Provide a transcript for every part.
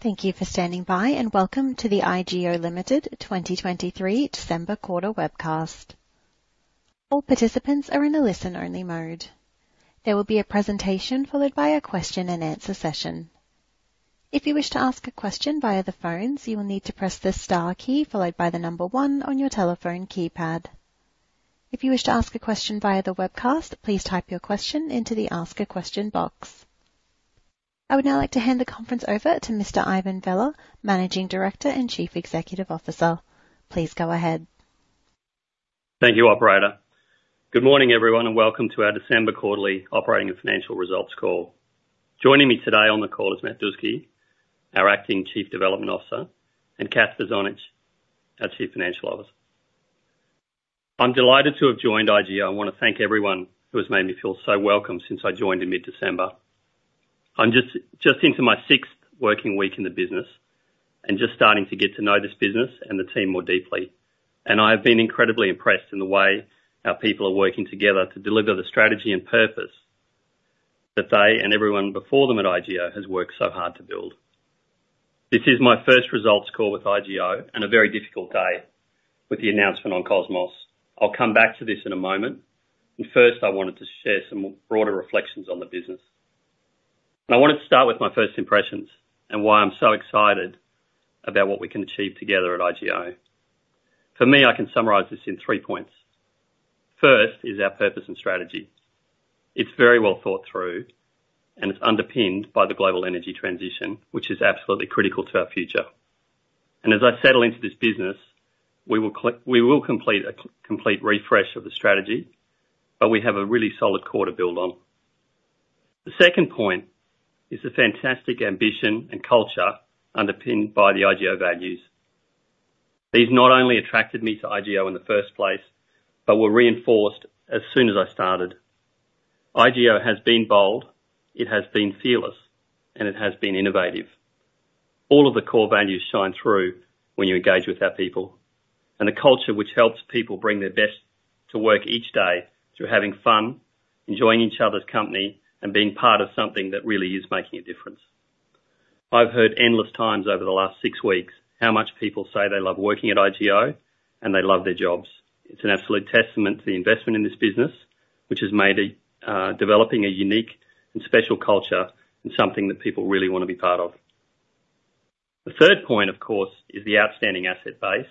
Thank you for standing by, and welcome to the IGO Limited 2023 December quarter webcast. All participants are in a listen-only mode. There will be a presentation followed by a question and answer session. If you wish to ask a question via the phones, you will need to press the star key followed by the number 1 on your telephone keypad. If you wish to ask a question via the webcast, please type your question into the Ask a Question box. I would now like to hand the conference over to Mr. Ivan Vella, Managing Director and Chief Executive Officer. Please go ahead. Thank you, operator. Good morning, everyone, and welcome to our December quarterly operating and financial results call. Joining me today on the call is Matt Dusci, our Acting Chief Development Officer, and Kath Bozanic, our Chief Financial Officer. I'm delighted to have joined IGO. I want to thank everyone who has made me feel so welcome since I joined in mid-December. I'm just into my sixth working week in the business and just starting to get to know this business and the team more deeply. I have been incredibly impressed in the way our people are working together to deliver the strategy and purpose that they and everyone before them at IGO has worked so hard to build. This is my first results call with IGO and a very difficult day with the announcement on Cosmos. I'll come back to this in a moment. But first, I wanted to share some broader reflections on the business. I wanted to start with my first impressions and why I'm so excited about what we can achieve together at IGO. For me, I can summarize this in three points. First is our purpose and strategy. It's very well thought through, and it's underpinned by the global energy transition, which is absolutely critical to our future. As I settle into this business, we will complete a complete refresh of the strategy, but we have a really solid core to build on. The second point is the fantastic ambition and culture underpinned by the IGO values. These not only attracted me to IGO in the first place but were reinforced as soon as I started. IGO has been bold. It has been fearless, and it has been innovative. All of the core values shine through when you engage with our people, and a culture which helps people bring their best to work each day through having fun, enjoying each other's company, and being part of something that really is making a difference. I've heard endless times over the last six weeks how much people say they love working at IGO and they love their jobs. It's an absolute testament to the investment in this business, which has made it developing a unique and special culture and something that people really want to be part of. The third point, of course, is the outstanding asset base,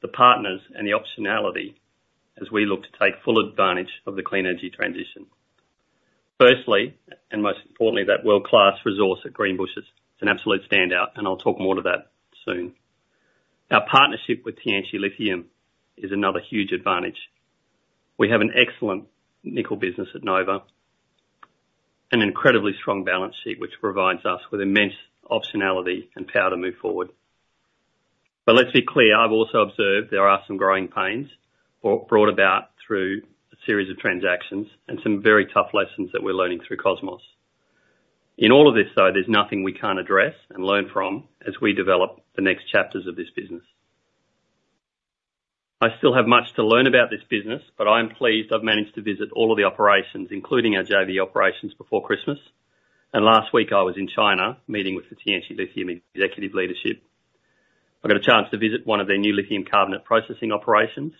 the partners, and the optionality as we look to take full advantage of the clean energy transition. Firstly, and most importantly, that world-class resource at Greenbushes. It's an absolute standout, and I'll talk more to that soon. Our partnership with Tianqi Lithium is another huge advantage. We have an excellent nickel business at Nova, an incredibly strong balance sheet, which provides us with immense optionality and power to move forward. But let's be clear, I've also observed there are some growing pains brought about through a series of transactions and some very tough lessons that we're learning through Cosmos. In all of this, though, there's nothing we can't address and learn from as we develop the next chapters of this business. I still have much to learn about this business, but I am pleased I've managed to visit all of the operations, including our JV operations, before Christmas, and last week I was in China, meeting with the Tianqi Lithium executive leadership. I got a chance to visit one of their new lithium carbonate processing operations,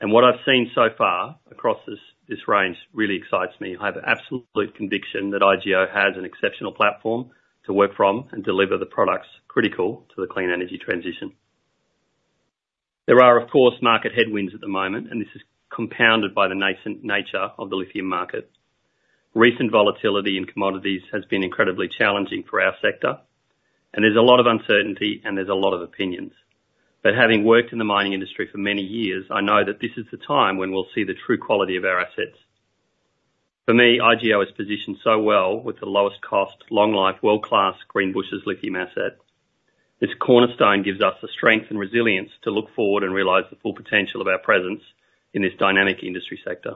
and what I've seen so far across this, this range really excites me. I have absolute conviction that IGO has an exceptional platform to work from and deliver the products critical to the clean energy transition. There are, of course, market headwinds at the moment, and this is compounded by the nascent nature of the lithium market. Recent volatility in commodities has been incredibly challenging for our sector, and there's a lot of uncertainty, and there's a lot of opinions. But having worked in the mining industry for many years, I know that this is the time when we'll see the true quality of our assets. For me, IGO is positioned so well with the lowest cost, long-life, world-class Greenbushes lithium asset. This cornerstone gives us the strength and resilience to look forward and realize the full potential of our presence in this dynamic industry sector.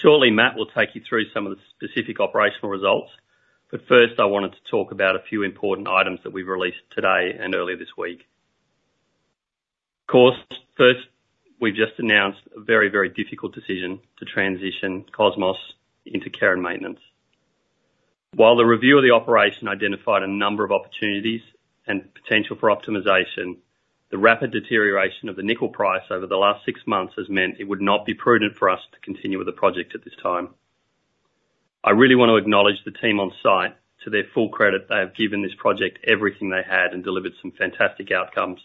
Shortly, Matt will take you through some of the specific operational results, but first, I wanted to talk about a few important items that we've released today and earlier this week. Of course, first, we've just announced a very, very difficult decision to transition Cosmos into care and maintenance. While the review of the operation identified a number of opportunities and potential for optimization, the rapid deterioration of the nickel price over the last six months has meant it would not be prudent for us to continue with the project at this time. I really want to acknowledge the team on site. To their full credit, they have given this project everything they had and delivered some fantastic outcomes.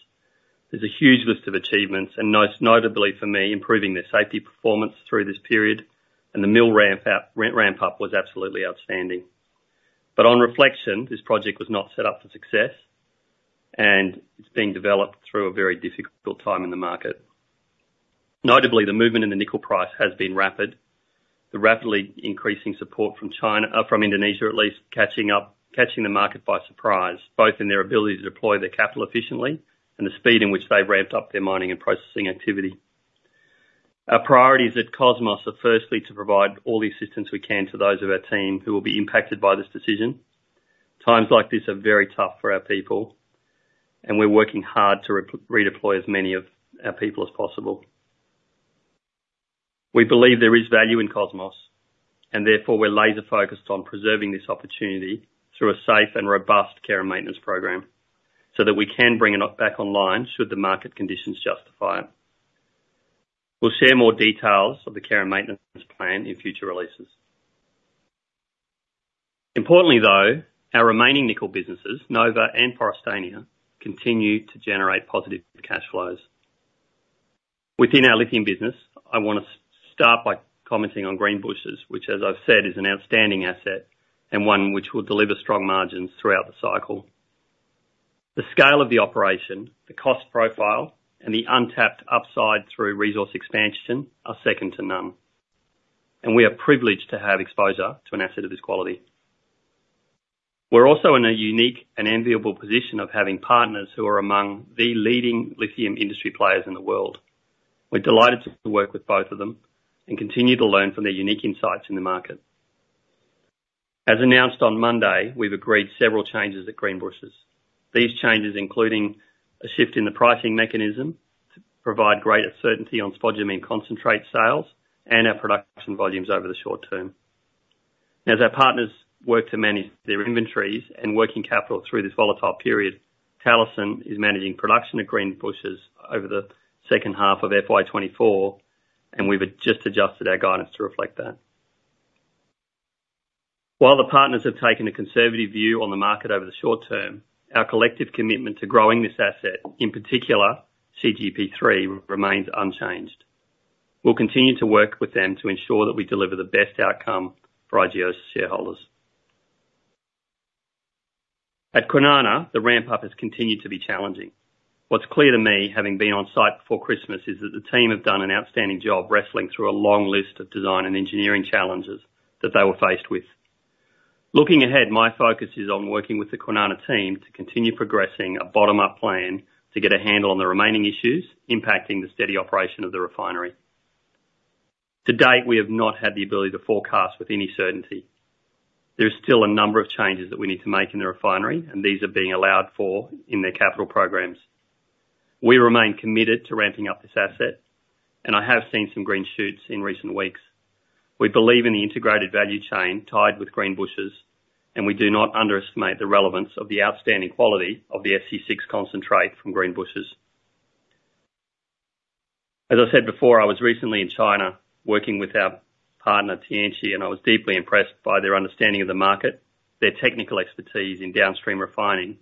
There's a huge list of achievements and most notably for me, improving their safety performance through this period, and the mill ramp up was absolutely outstanding. But on reflection, this project was not set up for success, and it's being developed through a very difficult time in the market. Notably, the movement in the nickel price has been rapid. The rapidly increasing support from China, from Indonesia, at least, catching the market by surprise, both in their ability to deploy their capital efficiently and the speed in which they've ramped up their mining and processing activity. Our priorities at Cosmos are firstly, to provide all the assistance we can to those of our team who will be impacted by this decision. Times like these are very tough for our people, and we're working hard to redeploy as many of our people as possible.... We believe there is value in Cosmos, and therefore we're laser-focused on preserving this opportunity through a safe and robust care and maintenance program so that we can bring it up back online should the market conditions justify it. We'll share more details of the care and maintenance plan in future releases. Importantly, though, our remaining nickel businesses, Nova and Forrestania, continue to generate positive cash flows. Within our lithium business, I want to start by commenting on Greenbushes, which, as I've said, is an outstanding asset and one which will deliver strong margins throughout the cycle. The scale of the operation, the cost profile, and the untapped upside through resource expansion are second to none, and we are privileged to have exposure to an asset of this quality. We're also in a unique and enviable position of having partners who are among the leading lithium industry players in the world. We're delighted to work with both of them and continue to learn from their unique insights in the market. As announced on Monday, we've agreed several changes at Greenbushes. These changes, including a shift in the pricing mechanism to provide greater certainty on spodumene concentrate sales and our production volumes over the short term. As our partners work to manage their inventories and working capital through this volatile period, Talison is managing production at Greenbushes over the second half of FY 2024, and we've just adjusted our guidance to reflect that. While the partners have taken a conservative view on the market over the short term, our collective commitment to growing this asset, in particular CGP3, remains unchanged. We'll continue to work with them to ensure that we deliver the best outcome for IGO's shareholders. At Kwinana, the ramp-up has continued to be challenging. What's clear to me, having been on site before Christmas, is that the team have done an outstanding job wrestling through a long list of design and engineering challenges that they were faced with. Looking ahead, my focus is on working with the Kwinana team to continue progressing a bottom-up plan to get a handle on the remaining issues impacting the steady operation of the refinery. To date, we have not had the ability to forecast with any certainty. There is still a number of changes that we need to make in the refinery, and these are being allowed for in their capital programs. We remain committed to ramping up this asset, and I have seen some green shoots in recent weeks. We believe in the integrated value chain tied with Greenbushes, and we do not underestimate the relevance of the outstanding quality of the SC6 concentrate from Greenbushes. As I said before, I was recently in China working with our partner, Tianqi, and I was deeply impressed by their understanding of the market, their technical expertise in downstream refining,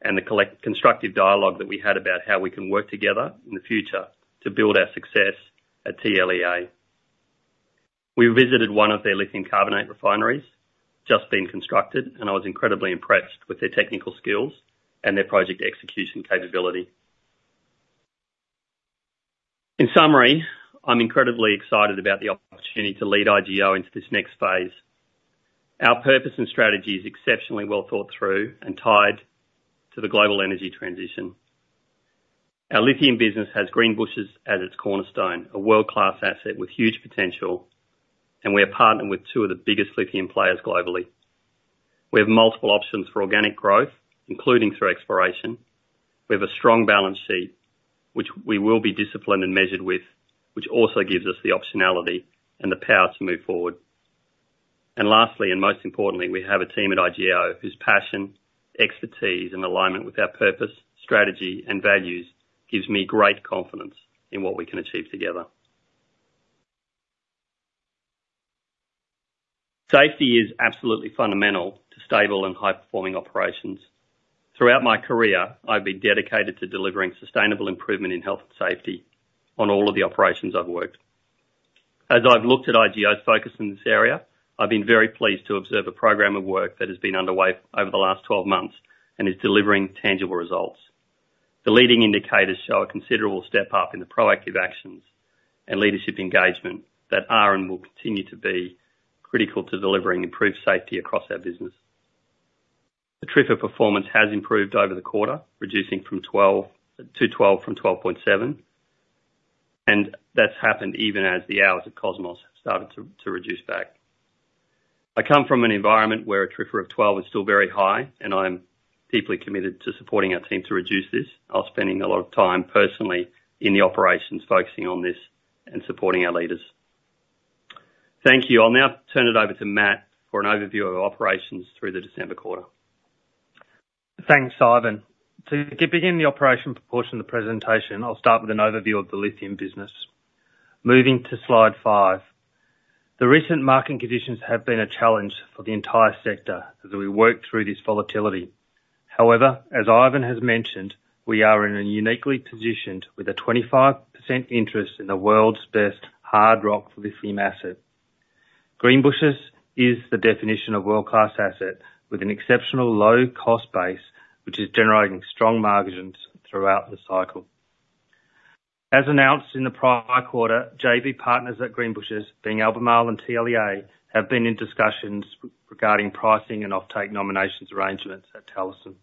and the constructive dialogue that we had about how we can work together in the future to build our success at TLEA. We visited one of their lithium carbonate refineries just being constructed, and I was incredibly impressed with their technical skills and their project execution capability. In summary, I'm incredibly excited about the opportunity to lead IGO into this next phase. Our purpose and strategy is exceptionally well thought through and tied to the global energy transition. Our lithium business has Greenbushes as its cornerstone, a world-class asset with huge potential, and we are partnered with two of the biggest lithium players globally. We have multiple options for organic growth, including through exploration. We have a strong balance sheet, which we will be disciplined and measured with, which also gives us the optionality and the power to move forward. And lastly, and most importantly, we have a team at IGO whose passion, expertise, and alignment with our purpose, strategy, and values gives me great confidence in what we can achieve together. Safety is absolutely fundamental to stable and high-performing operations. Throughout my career, I've been dedicated to delivering sustainable improvement in health and safety on all of the operations I've worked. As I've looked at IGO's focus in this area, I've been very pleased to observe a program of work that has been underway over the last 12 months and is delivering tangible results. The leading indicators show a considerable step-up in the proactive actions and leadership engagement that are, and will continue to be, critical to delivering improved safety across our business. The TRIFR performance has improved over the quarter, reducing from 12 to 12.7, and that's happened even as the hours at Cosmos started to reduce back. I come from an environment where a TRIFR of 12 is still very high, and I'm deeply committed to supporting our team to reduce this. I'm spending a lot of time personally in the operations, focusing on this and supporting our leaders. Thank you. I'll now turn it over to Matt for an overview of our operations through the December quarter. Thanks, Ivan. To begin the operational portion of the presentation, I'll start with an overview of the lithium business. Moving to slide 5. The recent market conditions have been a challenge for the entire sector as we work through this volatility. However, as Ivan has mentioned, we are uniquely positioned with a 25% interest in the world's best hard rock lithium asset. Greenbushes is the definition of world-class asset with an exceptional low-cost base, which is generating strong margins throughout the cycle. As announced in the prior quarter, JV partners at Greenbushes, being Albemarle and TLEA, have been in discussions regarding pricing and offtake nominations arrangements at Talison.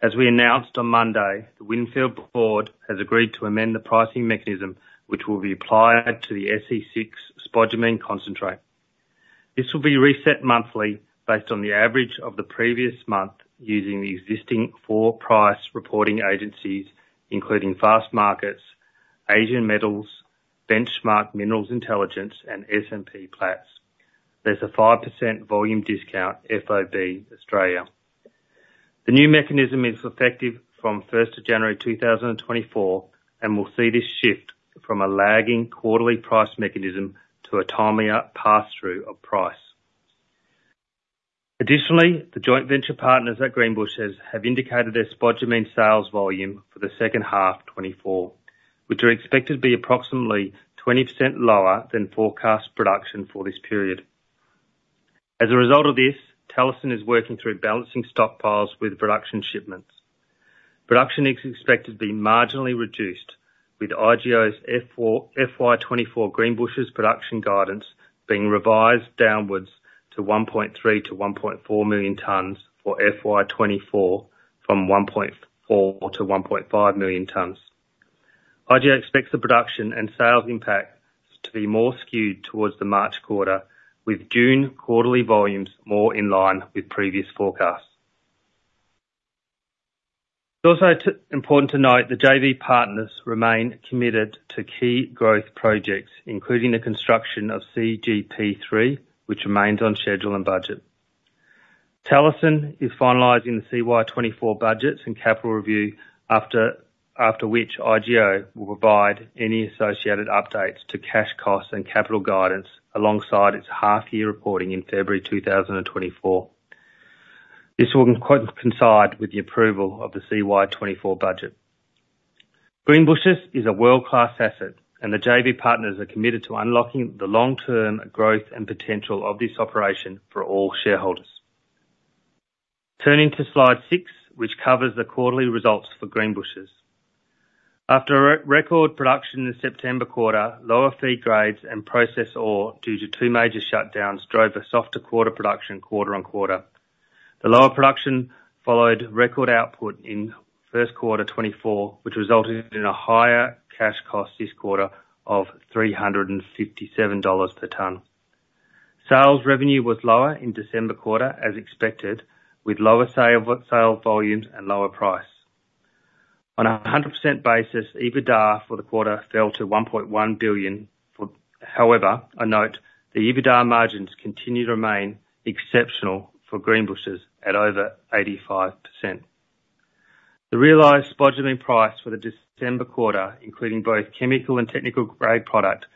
As we announced on Monday, the Windfield board has agreed to amend the pricing mechanism, which will be applied to the SC6 spodumene concentrate. This will be reset monthly based on the average of the previous month, using the existing four price reporting agencies, including Fastmarkets, Asian Metals, Benchmark Mineral Intelligence, and S&P Platts. There's a 5% volume discount, FOB Australia. The new mechanism is effective from first of January 2024, and will see this shift from a lagging quarterly price mechanism to a timelier pass-through of price. Additionally, the joint venture partners at Greenbushes have indicated their spodumene sales volume for the second half 2024, which are expected to be approximately 20% lower than forecast production for this period. As a result of this, Talison is working through balancing stockpiles with production shipments. Production is expected to be marginally reduced, with IGO's FY 2024 Greenbushes production guidance being revised downwards to 1.3-1.4 million tons for FY 2024, from 1.4-1.5 million tons. IGO expects the production and sales impact to be more skewed towards the March quarter, with June quarterly volumes more in line with previous forecasts. It's also important to note, the JV partners remain committed to key growth projects, including the construction of CGP3, which remains on schedule and budget. Talison is finalizing the CY 2024 budgets and capital review, after which IGO will provide any associated updates to cash costs and capital guidance, alongside its half-year reporting in February 2024. This will coincide with the approval of the CY 2024 budget. Greenbushes is a world-class asset, and the JV partners are committed to unlocking the long-term growth and potential of this operation for all shareholders. Turning to slide 6, which covers the quarterly results for Greenbushes. After a record production in the September quarter, lower feed grades and processed ore due to two major shutdowns drove a softer quarterly production quarter-on-quarter. The lower production followed record output in first quarter 2024, which resulted in a higher cash cost this quarter of $357 per ton. Sales revenue was lower in December quarter, as expected, with lower sale volumes and lower price. On a 100% basis, EBITDA for the quarter fell to 1.1 billion. However, I note the EBITDA margins continue to remain exceptional for Greenbushes at over 85%. The realized spodumene price for the December quarter, including both chemical and technical-grade product,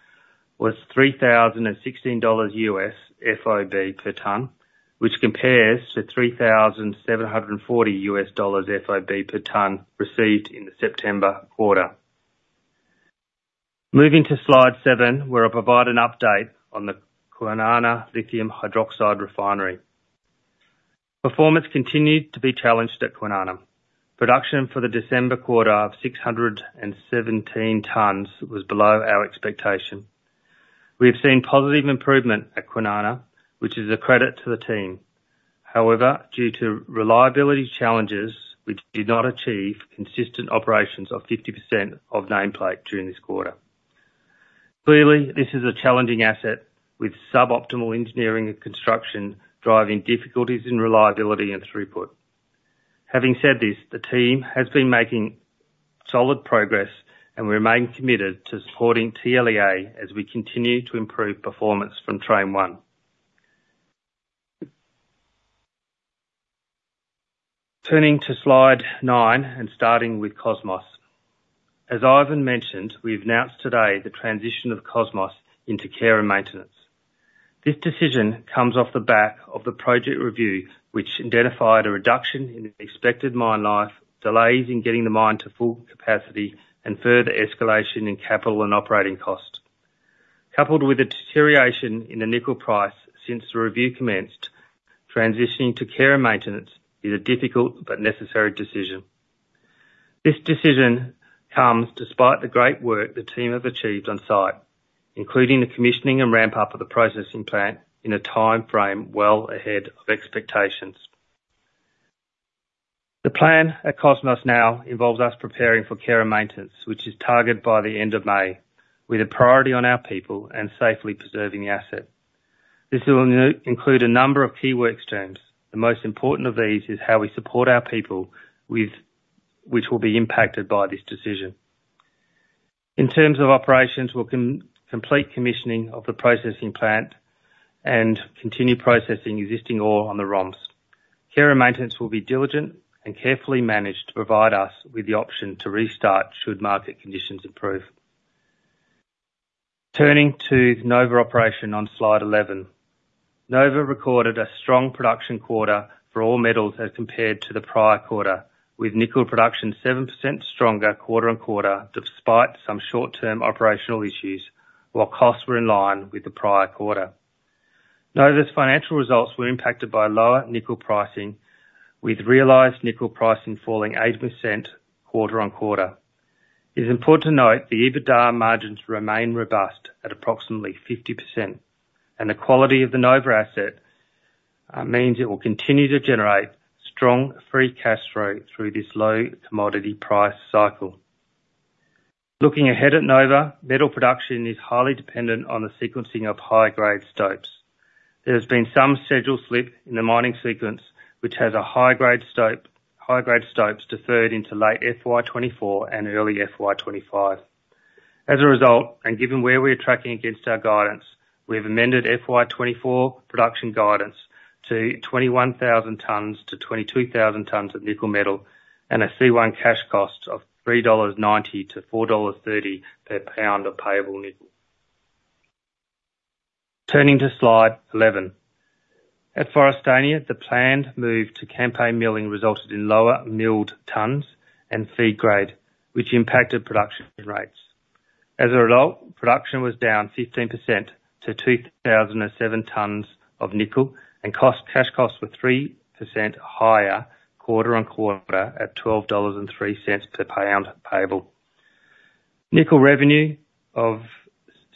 was $3,016 FOB per ton, which compares to $3,740 FOB per ton received in the September quarter. Moving to slide 7, where I'll provide an update on the Kwinana Lithium Hydroxide Refinery. Performance continued to be challenged at Kwinana. Production for the December quarter of 617 tons was below our expectation. We have seen positive improvement at Kwinana, which is a credit to the team. However, due to reliability challenges, we did not achieve consistent operations of 50% of nameplate during this quarter. Clearly, this is a challenging asset with suboptimal engineering and construction, driving difficulties in reliability and throughput. Having said this, the team has been making solid progress, and we remain committed to supporting TLEA as we continue to improve performance from train one. Turning to slide 9, and starting with Cosmos. As Ivan mentioned, we've announced today the transition of Cosmos into care and maintenance. This decision comes off the back of the project review, which identified a reduction in the expected mine life, delays in getting the mine to full capacity, and further escalation in capital and operating costs. Coupled with a deterioration in the nickel price since the review commenced, transitioning to care and maintenance is a difficult but necessary decision. This decision comes despite the great work the team have achieved on site, including the commissioning and ramp-up of the processing plant in a timeframe well ahead of expectations. The plan at Cosmos now involves us preparing for care and maintenance, which is targeted by the end of May, with a priority on our people and safely preserving the asset. This will include a number of key work streams. The most important of these is how we support our people with... which will be impacted by this decision. In terms of operations, we'll complete commissioning of the processing plant and continue processing existing ore on the ROMs. Care and maintenance will be diligent and carefully managed to provide us with the option to restart, should market conditions improve. Turning to Nova operation on Slide 11. Nova recorded a strong production quarter for all metals as compared to the prior quarter, with nickel production 7% stronger quarter on quarter, despite some short-term operational issues, while costs were in line with the prior quarter. Nova's financial results were impacted by lower nickel pricing, with realized nickel pricing falling 8% quarter on quarter. It is important to note the EBITDA margins remain robust at approximately 50%, and the quality of the Nova asset means it will continue to generate strong free cash flow through this low commodity price cycle. Looking ahead at Nova, metal production is highly dependent on the sequencing of high-grade stopes. There has been some schedule slip in the mining sequence, which has a high-grade stope, high-grade stopes deferred into late FY 2024 and early FY 2025. As a result, and given where we are tracking against our guidance, we have amended FY 2024 production guidance to 21,000 tons to 22,000 tons of nickel metal and a C1 cash cost of $3.90-$4.30 per pound of payable nickel. Turning to Slide 11. At Forrestania, the planned move to campaign milling resulted in lower milled tons and feed grade, which impacted production rates. As a result, production was down 15% to 2,007 tons of nickel, and costs, cash costs were 3% higher quarter-on-quarter at $12.03 per pound payable. Nickel revenue of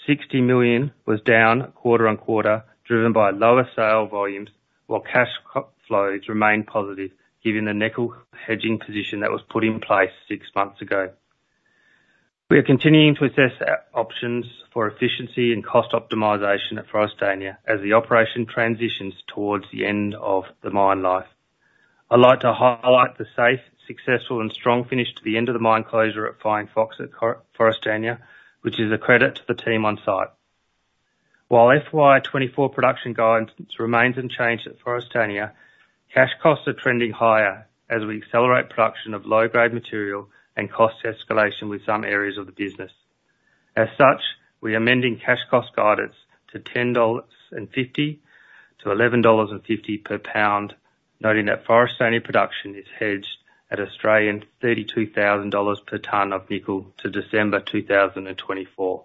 60 million was down quarter-on-quarter, driven by lower sale volumes, while cash flows remained positive given the nickel hedging position that was put in place six months ago. We are continuing to assess our options for efficiency and cost optimization at Forrestania as the operation transitions towards the end of the mine life. I'd like to highlight the safe, successful, and strong finish to the end of the mine closure at Flying Fox at Forrestania, which is a credit to the team on site. While FY 2024 production guidance remains unchanged at Forrestania, cash costs are trending higher as we accelerate production of low-grade material and cost escalation with some areas of the business. As such, we are amending cash cost guidance to $10.50-$11.50 per pound, noting that Forrestania production is hedged at 32,000 Australian dollars per ton of nickel to December 2024.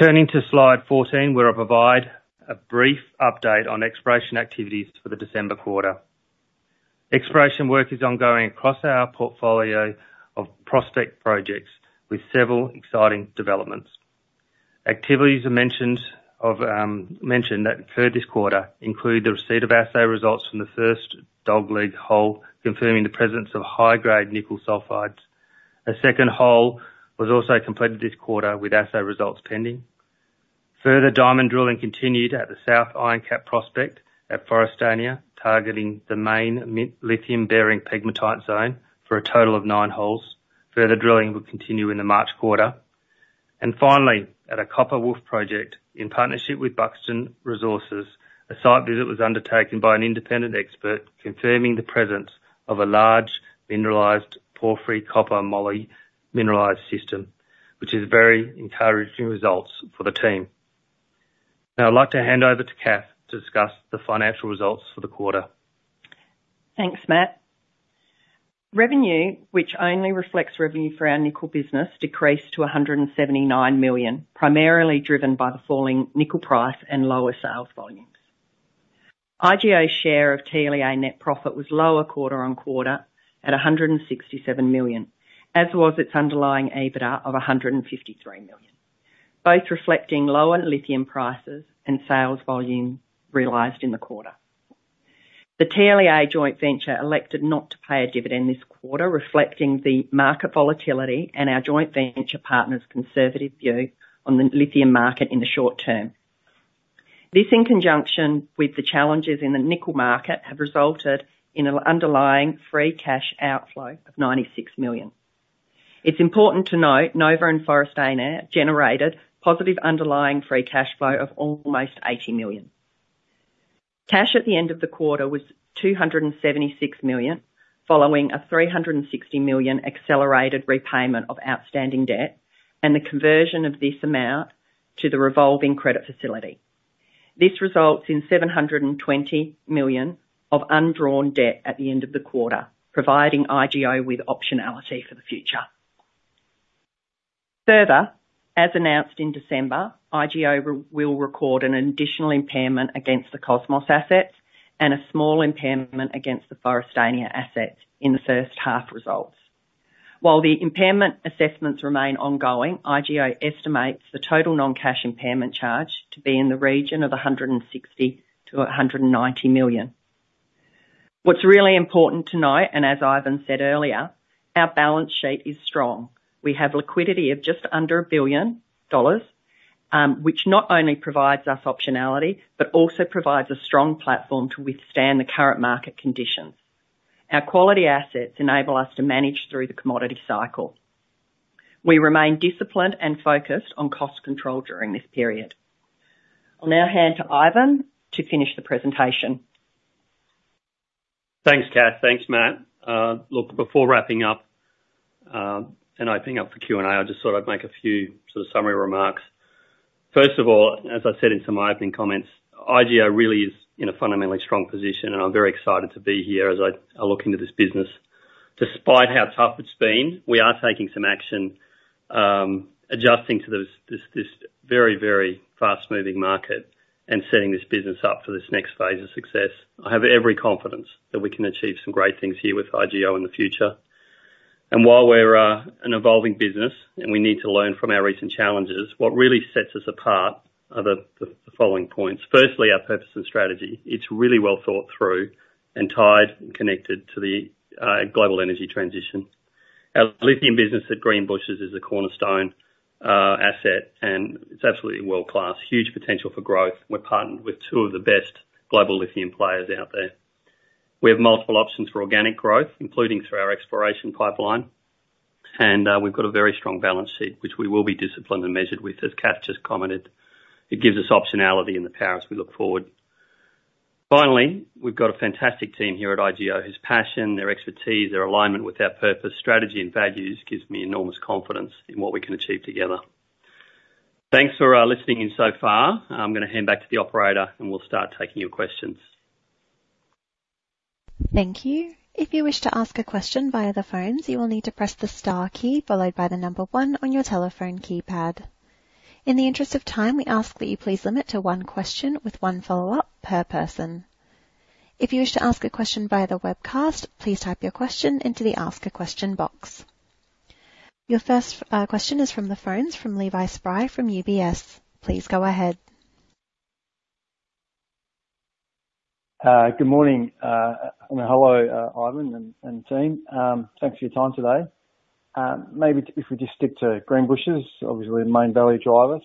Turning to Slide 14, where I'll provide a brief update on exploration activities for the December quarter. Exploration work is ongoing across our portfolio of prospect projects with several exciting developments. Activities that occurred this quarter include the receipt of assay results from the first Dog Leg hole, confirming the presence of high-grade nickel sulfides. A second hole was also completed this quarter, with assay results pending. Further diamond drilling continued at the South Iron Cap prospect at Forrestania, targeting the main mineral lithium-bearing pegmatite zone for a total of nine holes. Further drilling will continue in the March quarter. And finally, at our Copper Wolf project, in partnership with Buxton Resources, a site visit was undertaken by an independent expert, confirming the presence of a large mineralized porphyry copper-moly mineralized system, which is very encouraging results for the team. Now, I'd like to hand over to Kath to discuss the financial results for the quarter. Thanks, Matt. Revenue, which only reflects revenue for our nickel business, decreased to 179 million, primarily driven by the falling nickel price and lower sales volumes. IGO's share of TLA net profit was lower quarter-on-quarter at 167 million, as was its underlying EBITDA of 153 million, both reflecting lower lithium prices and sales volume realized in the quarter. The TLA joint venture elected not to pay a dividend this quarter, reflecting the market volatility and our joint venture partner's conservative view on the lithium market in the short term. This, in conjunction with the challenges in the nickel market, have resulted in an underlying free cash outflow of 96 million. It's important to note Nova and Forrestania generated positive underlying free cash flow of almost 80 million. Cash at the end of the quarter was 276 million, following a 360 million accelerated repayment of outstanding debt and the conversion of this amount to the revolving credit facility. This results in 720 million of undrawn debt at the end of the quarter, providing IGO with optionality for the future. Further, as announced in December, IGO will record an additional impairment against the Cosmos assets and a small impairment against the Forrestania assets in the first half results. While the impairment assessments remain ongoing, IGO estimates the total non-cash impairment charge to be in the region of 160-190 million. What's really important to note, and as Ivan said earlier, our balance sheet is strong. We have liquidity of just under 1 billion dollars, which not only provides us optionality, but also provides a strong platform to withstand the current market conditions. Our quality assets enable us to manage through the commodity cycle. We remain disciplined and focused on cost control during this period. I'll now hand to Ivan to finish the presentation. Thanks, Kath. Thanks, Matt. Look, before wrapping up and opening up for Q&A, I just thought I'd make a few sort of summary remarks. First of all, as I said in some opening comments, IGO really is in a fundamentally strong position, and I'm very excited to be here as I look into this business. Despite how tough it's been, we are taking some action, adjusting to this very fast-moving market and setting this business up for this next phase of success. I have every confidence that we can achieve some great things here with IGO in the future. And while we're an evolving business and we need to learn from our recent challenges, what really sets us apart are the following points: firstly, our purpose and strategy. It's really well thought through and tied and connected to the, global energy transition.... Our lithium business at Greenbushes is a cornerstone, asset, and it's absolutely world-class. Huge potential for growth. We're partnered with two of the best global lithium players out there. We have multiple options for organic growth, including through our exploration pipeline, and, we've got a very strong balance sheet, which we will be disciplined and measured with, as Kath just commented. It gives us optionality and the power as we look forward. Finally, we've got a fantastic team here at IGO, whose passion, their expertise, their alignment with our purpose, strategy, and values, gives me enormous confidence in what we can achieve together. Thanks for, listening in so far. I'm gonna hand back to the operator, and we'll start taking your questions. Thank you. If you wish to ask a question via the phones, you will need to press the star key followed by the number one on your telephone keypad. In the interest of time, we ask that you please limit to one question with one follow-up per person. If you wish to ask a question via the webcast, please type your question into the Ask a Question box. Your first question is from the phones from Levi Spry from UBS. Please go ahead. Good morning. Hello, Ivan and team. Thanks for your time today. Maybe if we just stick to Greenbushes, obviously the main value driver.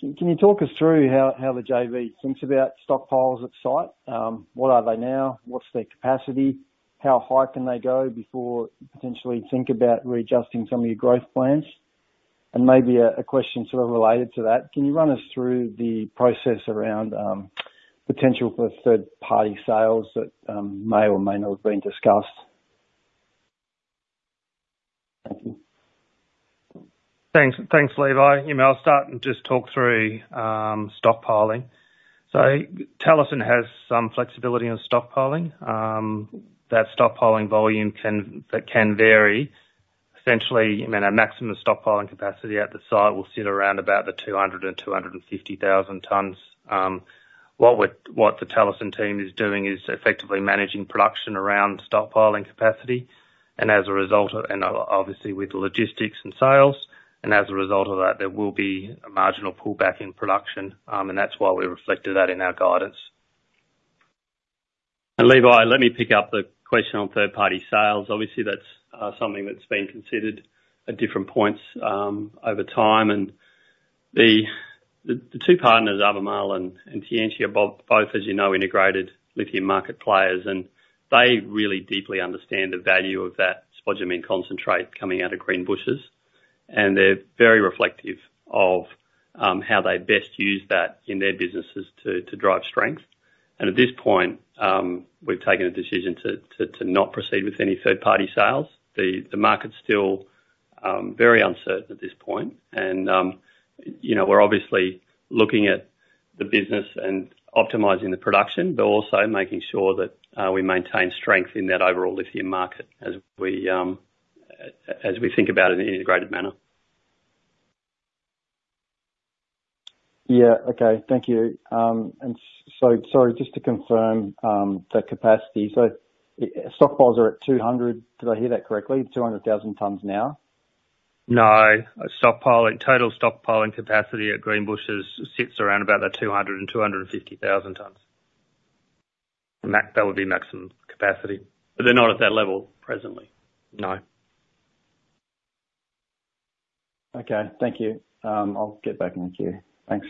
Can you talk us through how the JV thinks about stockpiles at site? What are they now? What's their capacity? How high can they go before you potentially think about readjusting some of your growth plans? And maybe a question sort of related to that, can you run us through the process around potential for third-party sales that may or may not have been discussed? Thank you. Thanks, thanks, Levi. You know, I'll start and just talk through stockpiling. So Talison has some flexibility in stockpiling. That stockpiling volume can, that can vary. Essentially, I mean, our maximum stockpiling capacity at the site will sit around about 200,000-250,000 tons. What the Talison team is doing is effectively managing production around stockpiling capacity, and as a result of... And obviously, with logistics and sales, and as a result of that, there will be a marginal pullback in production. And that's why we reflected that in our guidance. Levi, let me pick up the question on third-party sales. Obviously, that's something that's been considered at different points over time, and the two partners, Albemarle and Tianqi, are both as you know, integrated lithium market players, and they really deeply understand the value of that spodumene concentrate coming out of Greenbushes. They're very reflective of how they best use that in their businesses to drive strength. At this point, we've taken a decision to not proceed with any third-party sales. The market's still very uncertain at this point, and you know, we're obviously looking at the business and optimizing the production, but also making sure that we maintain strength in that overall lithium market as we think about it in an integrated manner. Yeah. Okay. Thank you. And so sorry, just to confirm, the capacity. So, stockpiles are at 200, did I hear that correctly? 200,000 tons now? No. Stockpiling, total stockpiling capacity at Greenbushes sits around about the 200-250,000 tons. That would be maximum capacity, but they're not at that level presently. No. Okay. Thank you. I'll get back in the queue. Thanks.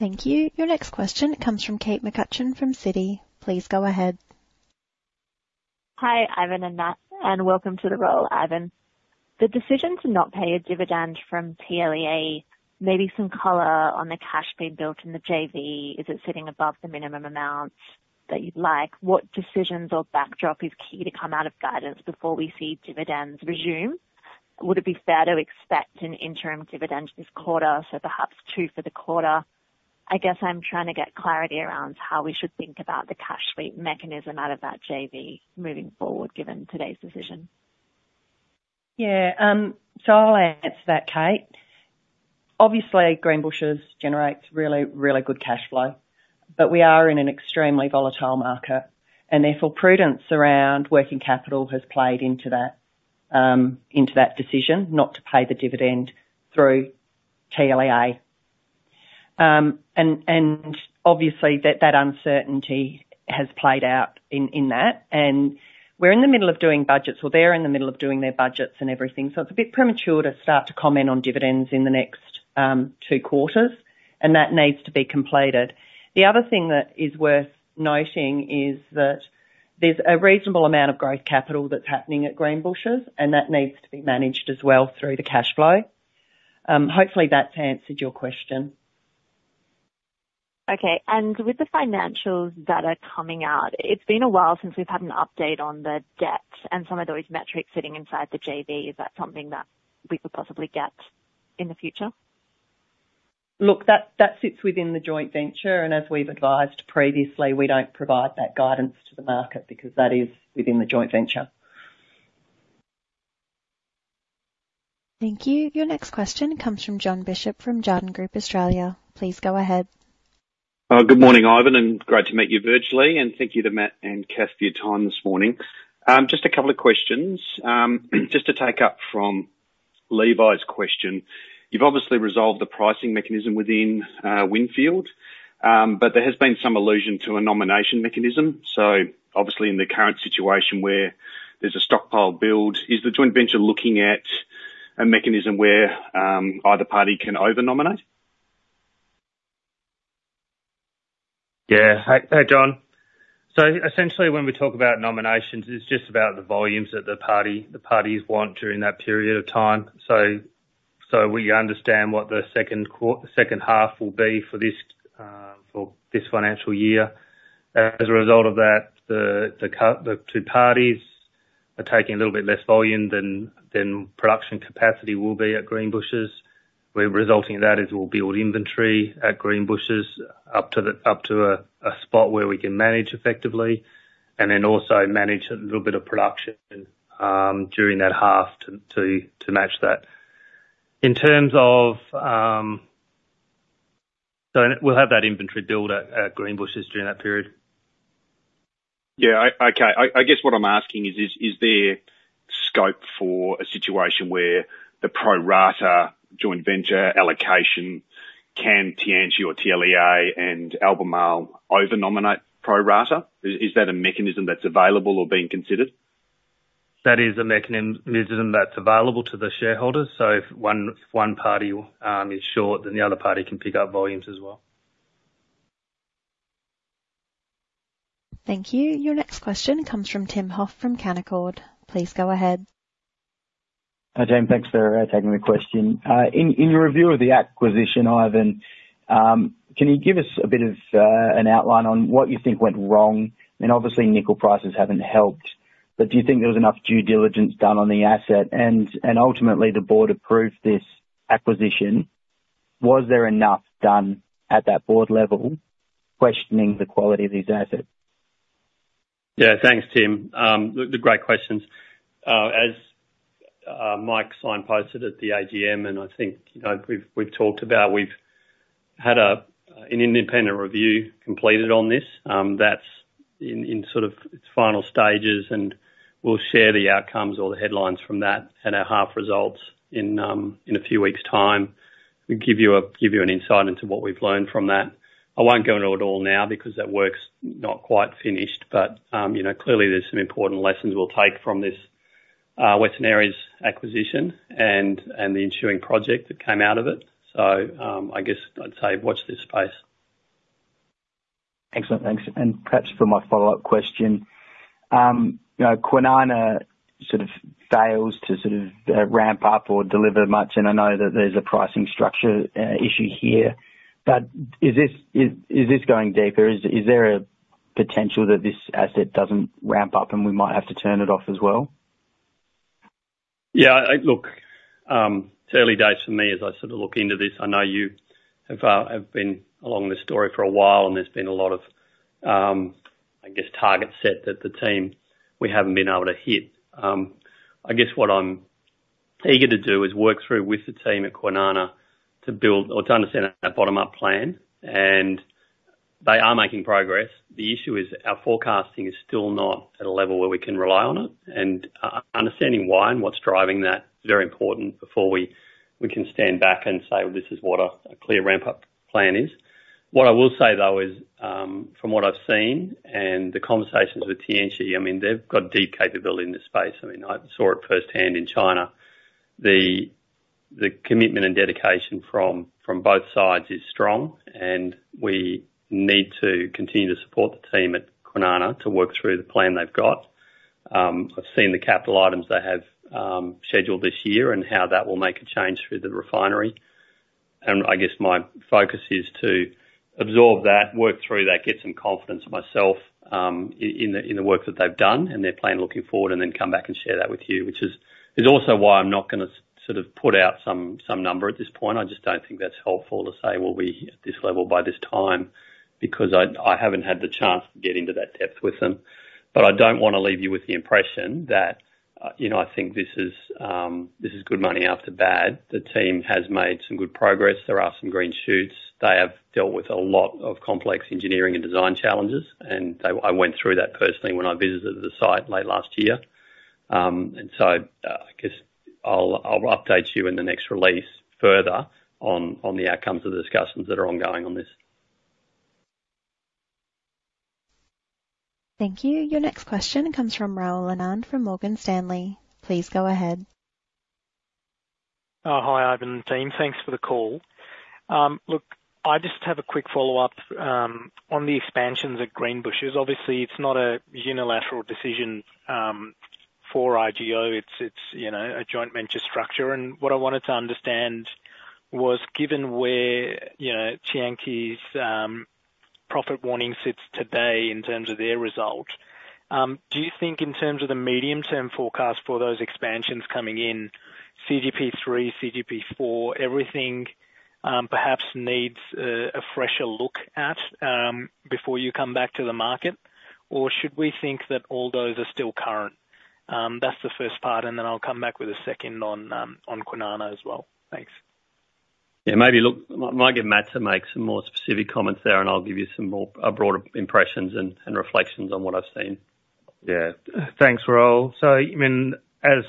Thank you. Your next question comes from Kate McCutcheon from Citi. Please go ahead. Hi, Ivan and Matt, and welcome to the call, Ivan. The decision to not pay a dividend from TLEA, maybe some color on the cash being built in the JV. Is it sitting above the minimum amounts that you'd like? What decisions or backdrop is key to come out of guidance before we see dividends resume? Would it be fair to expect an interim dividend this quarter, so perhaps two for the quarter? I guess I'm trying to get clarity around how we should think about the cash distribution mechanism out of that JV moving forward, given today's decision. Yeah. So I'll add to that, Kate. Obviously, Greenbushes generates really, really good cashflow, but we are in an extremely volatile market, and therefore, prudence around working capital has played into that, into that decision not to pay the dividend through TLEA. And, and obviously, that, that uncertainty has played out in, in that, and we're in the middle of doing budgets, well, they're in the middle of doing their budgets and everything, so it's a bit premature to start to comment on dividends in the next, two quarters, and that needs to be completed. The other thing that is worth noting is that there's a reasonable amount of growth capital that's happening at Greenbushes, and that needs to be managed as well through the cashflow. Hopefully that's answered your question. Okay. And with the financials that are coming out, it's been a while since we've had an update on the debt and some of those metrics sitting inside the JV. Is that something that we could possibly get in the future? Look, that, that sits within the joint venture, and as we've advised previously, we don't provide that guidance to the market because that is within the joint venture. Thank you. Your next question comes from John Bishop from Jarden Group Australia. Please go ahead. Good morning, Ivan, and great to meet you virtually, and thank you to Matt and Kath for your time this morning. Just to take up from Levi's question, you've obviously resolved the pricing mechanism within Windfield, but there has been some allusion to a nomination mechanism. So obviously in the current situation where there's a stockpile build, is the joint venture looking at a mechanism where either party can over-nominate? Yeah. Hi, hi, John. So essentially, when we talk about nominations, it's just about the volumes that the party, the parties want during that period of time. So we understand what the second half will be for this financial year. As a result of that, the two parties are taking a little bit less volume than production capacity will be at Greenbushes, where resulting in that is we'll build inventory at Greenbushes up to a spot where we can manage effectively, and then also manage a little bit of production during that half to match that. In terms of... So we'll have that inventory built at Greenbushes during that period. Yeah. Okay. I guess what I'm asking is, is there scope for a situation where the pro rata joint venture allocation, can Tianqi or TLEA and Albemarle over-nominate pro rata? Is that a mechanism that's available or being considered? That is a mechanism that's available to the shareholders. So if one party is short, then the other party can pick up volumes as well. Thank you. Your next question comes from Tim Hoff from Canaccord. Please go ahead. Hi, Dan. Thanks for taking the question. In your review of the acquisition, Ivan, can you give us a bit of an outline on what you think went wrong? And obviously, nickel prices haven't helped, but do you think there was enough due diligence done on the asset? Ultimately, the board approved this acquisition. Was there enough done at that board level questioning the quality of these assets? Yeah, thanks, Tim. They're great questions. As Mike signposted at the AGM, and I think, you know, we've talked about, we've had an independent review completed on this, that's in its final stages, and we'll share the outcomes or the headlines from that at our half results in a few weeks' time. We'll give you an insight into what we've learned from that. I won't go into it all now because that work's not quite finished, but you know, clearly there's some important lessons we'll take from this Western Areas acquisition and the ensuing project that came out of it. So, I guess I'd say watch this space. Excellent. Thanks. And perhaps for my follow-up question, you know, Kwinana sort of fails to ramp up or deliver much, and I know that there's a pricing structure issue here, but is this going deeper? Is there a potential that this asset doesn't ramp up, and we might have to turn it off as well? Yeah, look, it's early days for me as I sort of look into this. I know you have been along this story for a while, and there's been a lot of, I guess, targets set that the team, we haven't been able to hit. I guess what I'm eager to do is work through with the team at Kwinana to build or to understand a bottom-up plan, and they are making progress. The issue is, our forecasting is still not at a level where we can rely on it, and understanding why and what's driving that is very important before we can stand back and say, "Well, this is what a clear ramp-up plan is." What I will say, though, is, from what I've seen and the conversations with Tianqi, I mean, they've got deep capability in this space. I mean, I saw it firsthand in China. The commitment and dedication from both sides is strong, and we need to continue to support the team at Kwinana to work through the plan they've got. I've seen the capital items they have scheduled this year, and how that will make a change through the refinery. And I guess my focus is to absorb that, work through that, get some confidence myself in the work that they've done and their plan looking forward, and then come back and share that with you, which is also why I'm not gonna sort of put out some number at this point. I just don't think that's helpful to say, "Well, be at this level by this time," because I haven't had the chance to get into that depth with them. But I don't wanna leave you with the impression that, you know, I think this is good money after bad. The team has made some good progress. There are some green shoots. They have dealt with a lot of complex engineering and design challenges, and they—I went through that personally when I visited the site late last year. And so, I guess I'll, I'll update you in the next release further on the outcomes of the discussions that are ongoing on this. Thank you. Your next question comes from Rahul Anand from Morgan Stanley. Please go ahead. Hi, Ivan and team. Thanks for the call. Look, I just have a quick follow-up on the expansions at Greenbushes. Obviously, it's not a unilateral decision for IGO. It's, you know, a joint venture structure. What I wanted to understand was, given where, you know, Tianqi's profit warning sits today in terms of their result, do you think in terms of the medium-term forecast for those expansions coming in, CGP3, CGP4, everything, perhaps needs a fresher look at before you come back to the market? Or should we think that all those are still current? That's the first part, and then I'll come back with a second on Kwinana as well. Thanks.... Yeah, maybe look, might get Matt to make some more specific comments there, and I'll give you some more, broader impressions and reflections on what I've seen. Yeah. Thanks, Rahul. So, I mean, as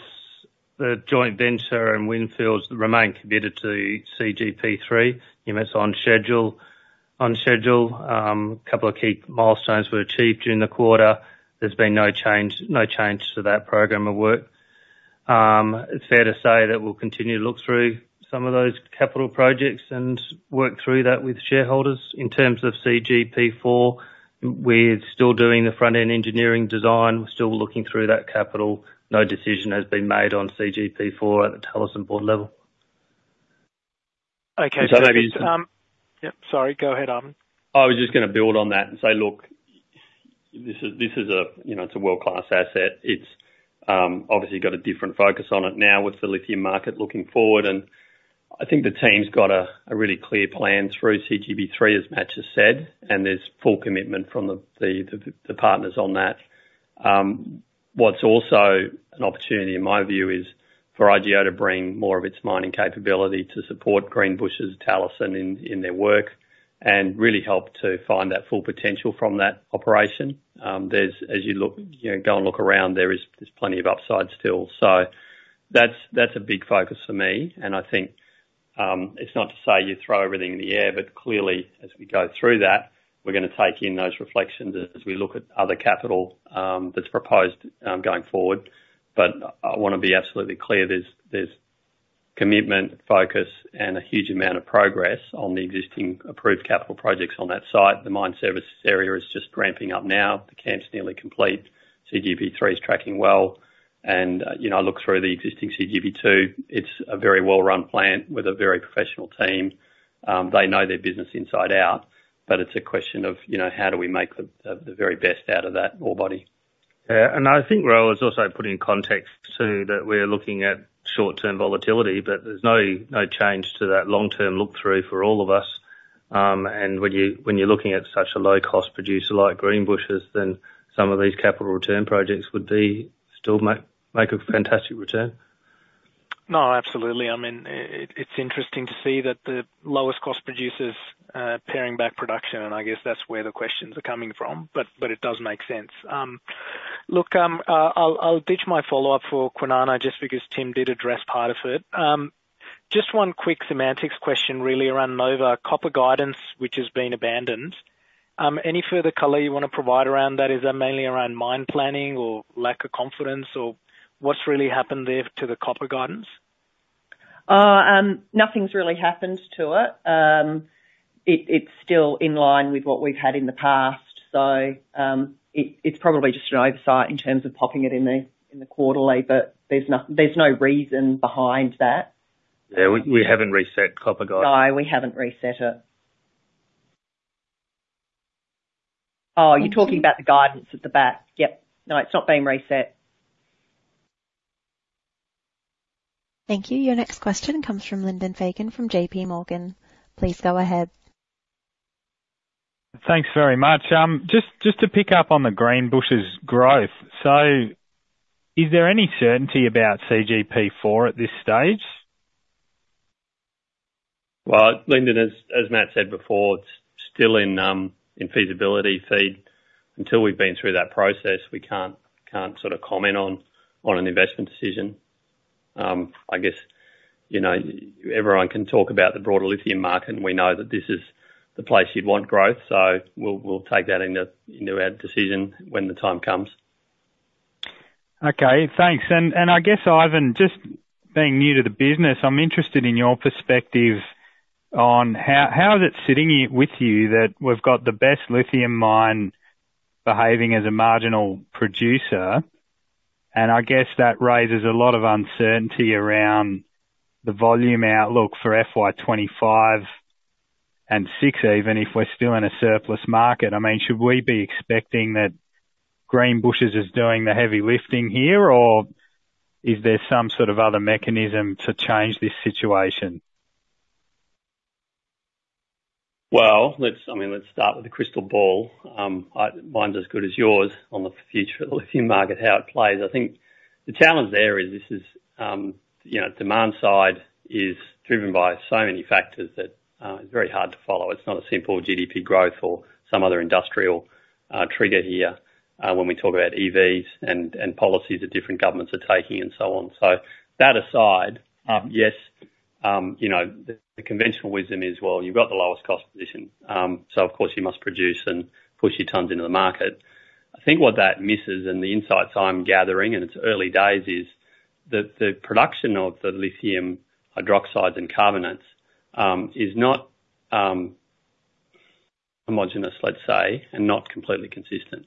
the joint venture and Windfield remain committed to CGP3, you know, it's on schedule, on schedule. A couple of key milestones were achieved during the quarter. There's been no change, no change to that program of work. It's fair to say that we'll continue to look through some of those capital projects and work through that with shareholders. In terms of CGP4, we're still doing the front-end engineering design. We're still looking through that capital. No decision has been made on CGP4 at the Talison board level. Okay. So maybe, Yeah. Yep, sorry. Go ahead, Ivan. I was just gonna build on that and say, look, this is, you know, it's a world-class asset. It's obviously got a different focus on it now with the lithium market looking forward, and I think the team's got a really clear plan through CGP3, as Matt just said, and there's full commitment from the partners on that. What's also an opportunity, in my view, is for IGO to bring more of its mining capability to support Greenbushes, Talison in their work and really help to find that full potential from that operation. There's, as you look, you know, go and look around, there is plenty of upside still. So that's, that's a big focus for me, and I think, it's not to say you throw everything in the air, but clearly, as we go through that, we're gonna take in those reflections as we look at other capital, that's proposed, going forward. But I want to be absolutely clear, there's, there's commitment, focus, and a huge amount of progress on the existing approved capital projects on that site. The mine services area is just ramping up now. The camp's nearly complete. CGP3 is tracking well, and, you know, I look through the existing CGP2, it's a very well-run plant with a very professional team. They know their business inside out, but it's a question of, you know, how do we make the, the, the very best out of that ore body? Yeah, and I think Rahul has also put in context, too, that we're looking at short-term volatility, but there's no, no change to that long-term look through for all of us. And when you're looking at such a low-cost producer like Greenbushes, then some of these capital return projects would be, still make a fantastic return. No, absolutely. I mean, it's interesting to see that the lowest cost producers paring back production, and I guess that's where the questions are coming from. But, but it does make sense. I'll ditch my follow-up for Kwinana just because Tim did address part of it. Just one quick semantics question, really, around Nova copper guidance, which has been abandoned. Any further color you wanna provide around that? Is that mainly around mine planning or lack of confidence, or what's really happened there to the copper guidance? Nothing's really happened to it. It's still in line with what we've had in the past. So, it's probably just an oversight in terms of popping it in the quarterly, but there's no reason behind that. Yeah, we haven't reset copper guidance. No, we haven't reset it. Oh, you're talking about the guidance at the back. Yep. No, it's not been reset. Thank you. Your next question comes from Lyndon Fagan, from JP Morgan. Please go ahead. Thanks very much. Just, just to pick up on the Greenbushes growth, so is there any certainty about CGP4 at this stage? Well, Lyndon, as Matt said before, it's still in feasibility phase. Until we've been through that process, we can't sort of comment on an investment decision. I guess, you know, everyone can talk about the broader lithium market, and we know that this is the place you'd want growth, so we'll take that into our decision when the time comes. Okay, thanks. And I guess, Ivan, just being new to the business, I'm interested in your perspective on how it is sitting with you that we've got the best lithium mine behaving as a marginal producer? And I guess that raises a lot of uncertainty around the volume outlook for FY 25 and 6, even if we're still in a surplus market. I mean, should we be expecting that Greenbushes is doing the heavy lifting here, or is there some sort of other mechanism to change this situation? Well, let's... I mean, let's start with the crystal ball. I, mine's as good as yours on the future of the lithium market, how it plays. I think the challenge there is, this is, you know, demand side is driven by so many factors that, it's very hard to follow. It's not a simple GDP growth or some other industrial, trigger here, when we talk about EVs and, and policies that different governments are taking and so on. So that aside, yes, you know, the, the conventional wisdom is, well, you've got the lowest cost position, so of course you must produce and push your tons into the market. I think what that misses, and the insights I'm gathering, and it's early days, is that the production of the lithium hydroxides and carbonates is not homogeneous, let's say, and not completely consistent.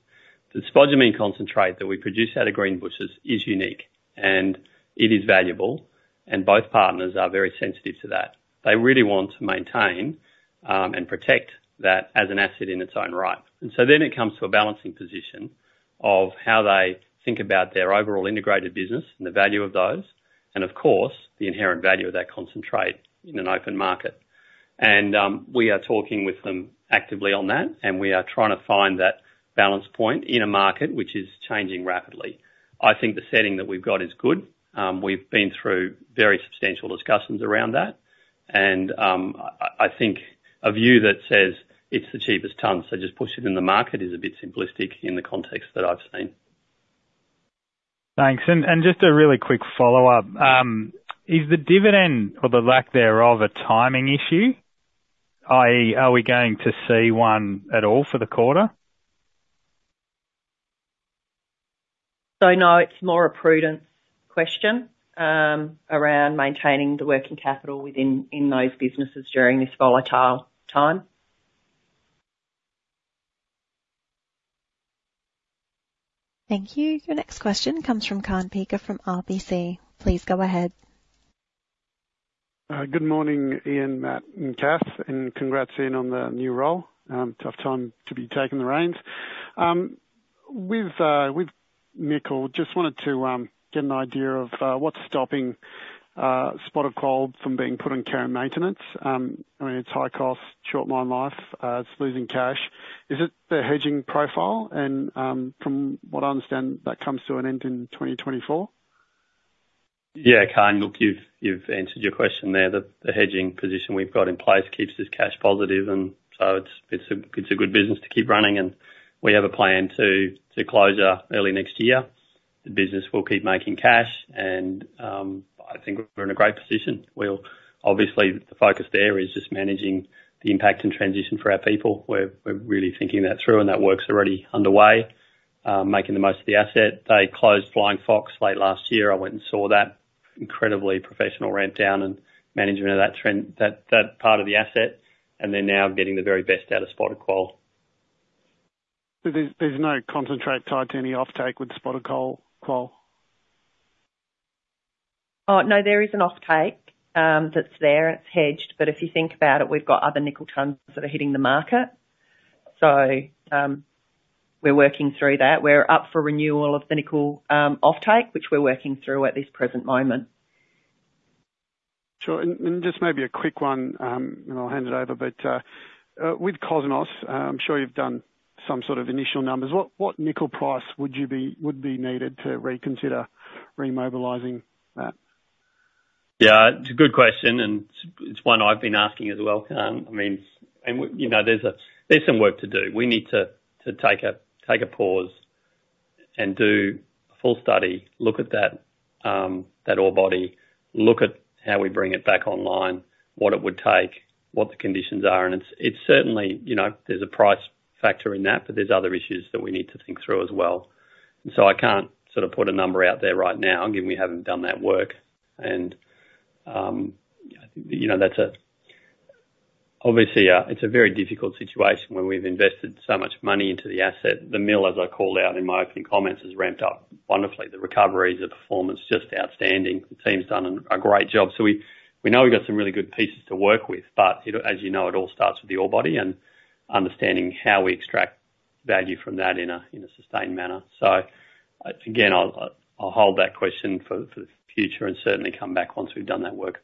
The spodumene concentrate that we produce out of Greenbushes is unique, and it is valuable, and both partners are very sensitive to that. They really want to maintain and protect that as an asset in its own right. And so then it comes to a balancing position of how they think about their overall integrated business and the value of those, and of course, the inherent value of that concentrate in an open market.... And, we are talking with them actively on that, and we are trying to find that balance point in a market which is changing rapidly. I think the setting that we've got is good. We've been through very substantial discussions around that, and I think a view that says it's the cheapest ton, so just push it in the market, is a bit simplistic in the context that I've seen. Thanks. And just a really quick follow-up. Is the dividend or the lack thereof a timing issue? i.e., are we going to see one at all for the quarter? So no, it's more a prudence question around maintaining the working capital within, in those businesses during this volatile time. Thank you. Your next question comes from Kaan Peker from RBC. Please go ahead. Good morning, Ivan, Matt, and Kath, and congrats, Ivan, on the new role. Tough time to be taking the reins. With nickel, just wanted to get an idea of what's stopping Nova from being put on care and maintenance. I mean, it's high cost, short mine life, it's losing cash. Is it the hedging profile? And from what I understand, that comes to an end in 2024. Yeah, Kaan, look, you've answered your question there. The hedging position we've got in place keeps us cash positive, and so it's a good business to keep running, and we have a plan to close out early next year. The business will keep making cash, and I think we're in a great position. We'll obviously, the focus there is just managing the impact and transition for our people. We're really thinking that through, and that work's already underway, making the most of the asset. They closed Flying Fox late last year. I went and saw that. Incredibly professional ramp down and management of that transition, that part of the asset, and they're now getting the very best out of Spotted Quoll. So there's no concentrate tied to any offtake with Spot of Coal? Oh, no, there is an offtake, that's there, and it's hedged, but if you think about it, we've got other nickel tons that are hitting the market. So, we're working through that. We're up for renewal of the nickel offtake, which we're working through at this present moment. Sure. Just maybe a quick one, and I'll hand it over. But with Cosmos, I'm sure you've done some sort of initial numbers. What nickel price would be needed to reconsider remobilizing that? Yeah, it's a good question, and it's one I've been asking as well, Kaan. I mean, and you know, there's a, there's some work to do. We need to take a pause and do a full study, look at that ore body, look at how we bring it back online, what it would take, what the conditions are. And it's certainly, you know, there's a price factor in that, but there's other issues that we need to think through as well. So I can't sort of put a number out there right now, given we haven't done that work. And, you know, that's a... Obviously, it's a very difficult situation when we've invested so much money into the asset. The mill, as I called out in my opening comments, has ramped up wonderfully. The recovery, the performance, just outstanding. The team's done a great job. So we know we've got some really good pieces to work with, but you know, as you know, it all starts with the ore body and understanding how we extract value from that in a sustained manner. So again, I'll hold that question for the future and certainly come back once we've done that work.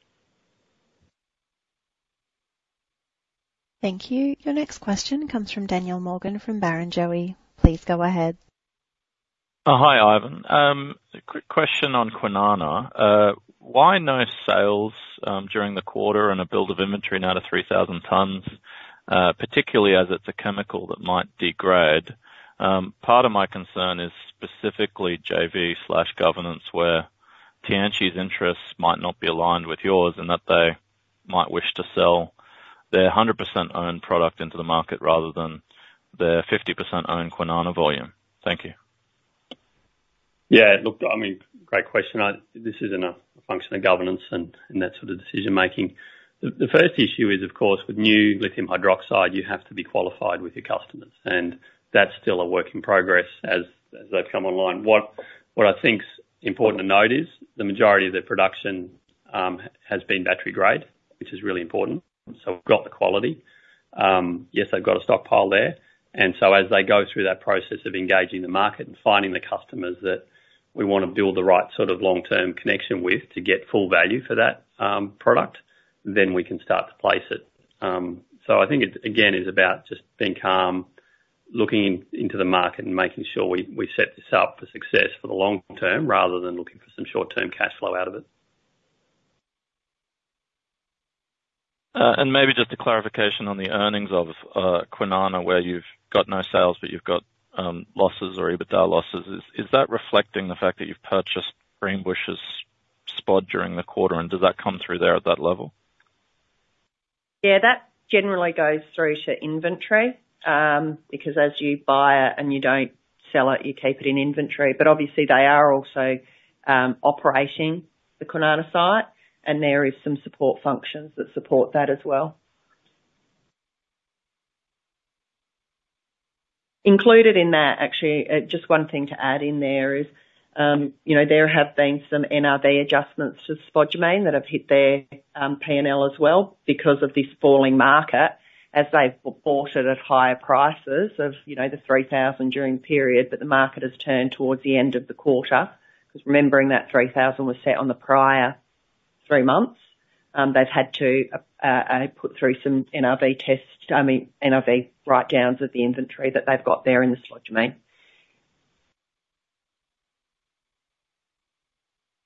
Thank you. Your next question comes from Daniel Morgan, from Barrenjoey. Please go ahead. Hi, Ivan. A quick question on Kwinana. Why no sales during the quarter and a build of inventory now to 3,000 tons, particularly as it's a chemical that might degrade? Part of my concern is specifically JV/governance, where Tianqi's interests might not be aligned with yours, and that they might wish to sell their 100% owned product into the market rather than their 50% owned Kwinana volume. Thank you. Yeah, look, I mean, great question. This isn't a function of governance and that sort of decision making. The first issue is, of course, with new lithium hydroxide, you have to be qualified with your customers, and that's still a work in progress as they've come online. What I think's important to note is the majority of their production has been battery grade, which is really important. So we've got the quality. Yes, they've got a stockpile there, and so as they go through that process of engaging the market and finding the customers that we wanna build the right sort of long-term connection with to get full value for that product, then we can start to place it. So I think it, again, is about just being calm, looking into the market and making sure we set this up for success for the long term, rather than looking for some short-term cash flow out of it. Maybe just a clarification on the earnings of Kwinana, where you've got no sales, but you've got losses or EBITDA losses. Is that reflecting the fact that you've purchased Greenbushes' spod during the quarter, and does that come through there at that level? Yeah, that generally goes through to inventory, because as you buy it and you don't sell it, you keep it in inventory. But obviously they are also operating the Kwinana site, and there is some support functions that support that as well. Included in that, actually, just one thing to add in there is, you know, there have been some NRV adjustments to spodumene that have hit their P&L as well because of this falling market, as they've bought it at higher prices of, you know, the $3,000 during the period, but the market has turned towards the end of the quarter. 'Cause remembering that $3,000 was set on the prior three months. They've had to put through some NRV tests, I mean, NRV write-downs of the inventory that they've got there in the Greenbushes mine.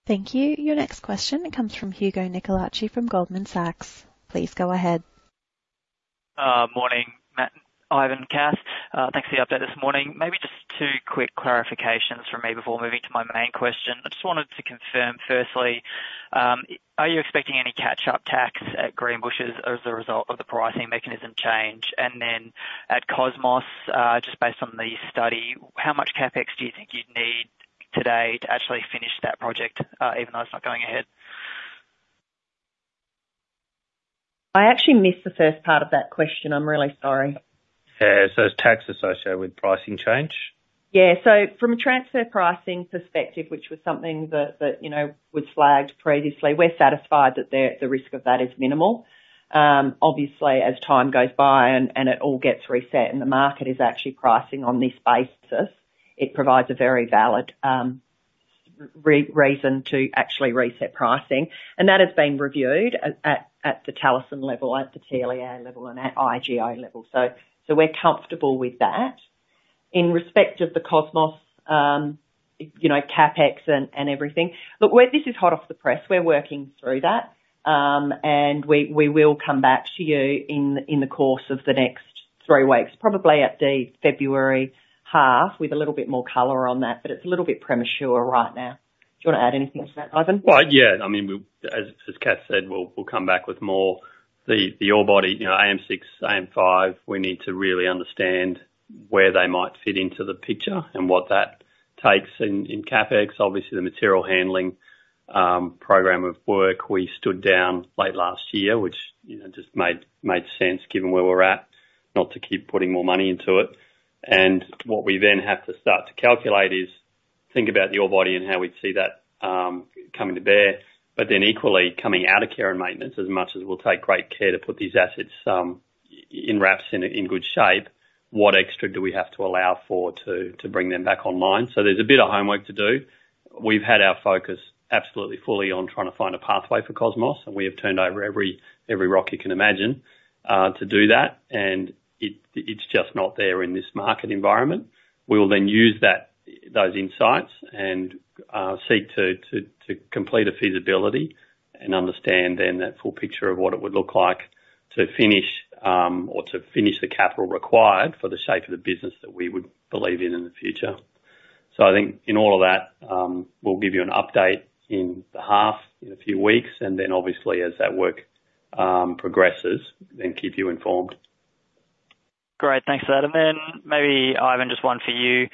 Thank you. Your next question comes from Hugo Nicolaci from Goldman Sachs. Please go ahead. Morning, Matt, Ivan, Kath. Thanks for the update this morning. Maybe just two quick clarifications from me before moving to my main question. I just wanted to confirm, firstly, are you expecting any catch-up tax at Greenbushes as a result of the pricing mechanism change? And then at Cosmos, just based on the study, how much CapEx do you think you'd need today to actually finish that project, even though it's not going ahead? I actually missed the first part of that question. I'm really sorry. It's tax associated with pricing change. Yeah. So from a transfer pricing perspective, which was something that you know was flagged previously, we're satisfied that the risk of that is minimal. Obviously, as time goes by and it all gets reset, and the market is actually pricing on this basis, it provides a very valid reason to actually reset pricing. And that has been reviewed at the Talison level, at the TLEA level, and at IGO level. So we're comfortable with that. In respect of the Cosmos, you know, CapEx and everything, look, we're. This is hot off the press. We're working through that. And we will come back to you in the course of the next three weeks, probably at the February half, with a little bit more color on that, but it's a little bit premature right now. Do you want to add anything to that, Ivan? Well, yeah. I mean, we, as, as Kath said, we'll, we'll come back with more. The, the ore body, you know, AM6, AM5, we need to really understand where they might fit into the picture and what that takes in, in CapEx. Obviously, the material handling program of work, we stood down late last year, which, you know, just made, made sense given where we're at, not to keep putting more money into it. And what we then have to start to calculate is, think about the ore body and how we'd see that, coming to bear. But then equally, coming out of care and maintenance, as much as we'll take great care to put these assets in wraps, in, in good shape, what extra do we have to allow for to, to bring them back online? So there's a bit of homework to do. We've had our focus absolutely fully on trying to find a pathway for Cosmos, and we have turned over every, every rock you can imagine, to do that, and it's just not there in this market environment. We will then use those insights and seek to complete a feasibility and understand then that full picture of what it would look like to finish, or to finish the capital required for the shape of the business that we would believe in in the future. So I think in all of that, we'll give you an update in the half, in a few weeks, and then obviously as that work progresses, then keep you informed. Great. Thanks for that. And then maybe, Ivan, just one for you.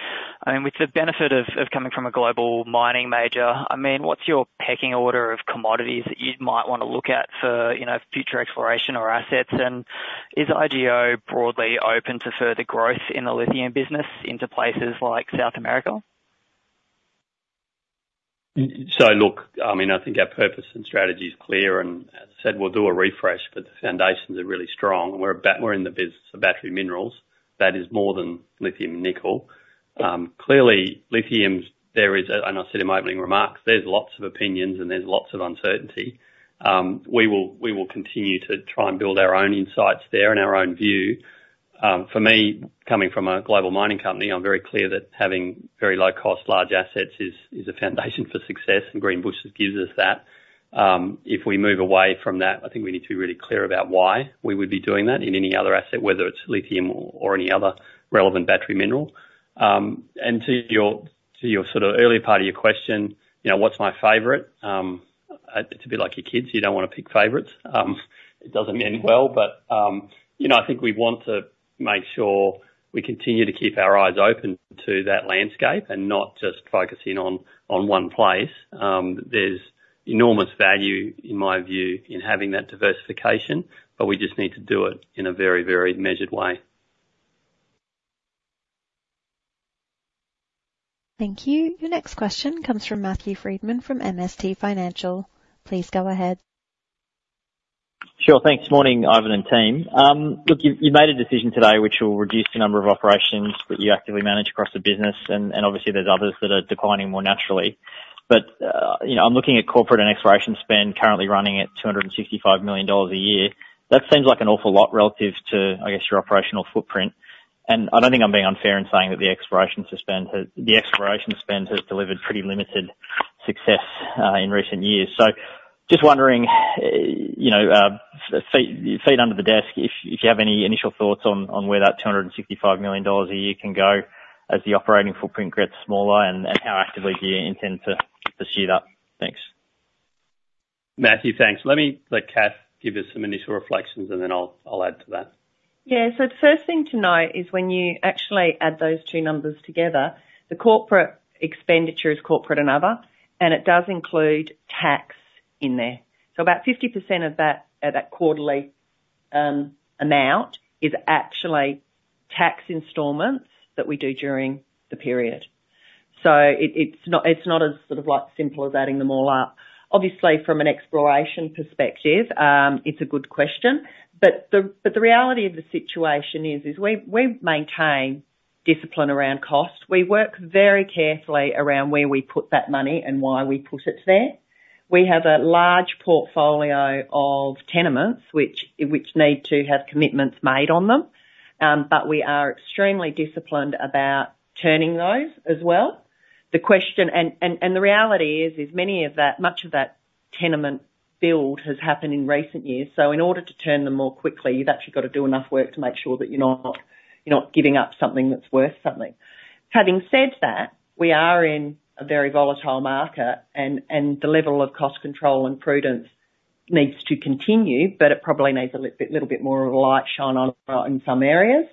I mean, with the benefit of, of coming from a global mining major, I mean, what's your pecking order of commodities that you might want to look at for, you know, future exploration or assets? And is IGO broadly open to further growth in the lithium business into places like South America? So look, I mean, I think our purpose and strategy is clear, and as I said, we'll do a refresh, but the foundations are really strong. We're in the business of battery minerals. That is more than lithium, nickel. Clearly, lithium's a. And I said in my opening remarks, there's lots of opinions, and there's lots of uncertainty. We will continue to try and build our own insights there and our own view. For me, coming from a global mining company, I'm very clear that having very low cost, large assets is a foundation for success, and Greenbushes gives us that. If we move away from that, I think we need to be really clear about why we would be doing that in any other asset, whether it's lithium or any other relevant battery mineral. And to your, to your sort of earlier part of your question, you know, what's my favorite? It's a bit like your kids. You don't want to pick favorites. It doesn't end well. But you know, I think we want to make sure we continue to keep our eyes open to that landscape and not just focusing on, on one place. There's enormous value, in my view, in having that diversification, but we just need to do it in a very, very measured way. Thank you. Your next question comes from Matthew Frydman from MST Financial. Please go ahead. Sure. Thanks. Morning, Ivan and team. Look, you made a decision today which will reduce the number of operations that you actively manage across the business, and obviously there's others that are declining more naturally. But, you know, I'm looking at corporate and exploration spend currently running at 265 million dollars a year. That seems like an awful lot relative to, I guess, your operational footprint. And I don't think I'm being unfair in saying that the exploration spend has delivered pretty limited success in recent years. So just wondering, you know, off the desk, if you have any initial thoughts on where that 265 million dollars a year can go as the operating footprint gets smaller, and how actively do you intend to scale up? Thanks. Matthew, thanks. Let me let Kath give us some initial reflections, and then I'll, I'll add to that. Yeah. So the first thing to note is when you actually add those two numbers together, the corporate expenditure is corporate and other, and it does include tax in there. So about 50% of that, that quarterly amount is actually tax installments that we do during the period. So it, it's not, it's not as sort of like simple as adding them all up. Obviously, from an exploration perspective, it's a good question, but the, but the reality of the situation is we've maintained discipline around cost. We work very carefully around where we put that money and why we put it there. We have a large portfolio of tenements, which need to have commitments made on them, but we are extremely disciplined about turning those as well. The question and the reality is many of that—much of that tenement build has happened in recent years. So in order to turn them more quickly, you've actually got to do enough work to make sure that you're not giving up something that's worth something. Having said that, we are in a very volatile market and the level of cost control and prudence needs to continue, but it probably needs a little bit more of a light shine on it in some areas.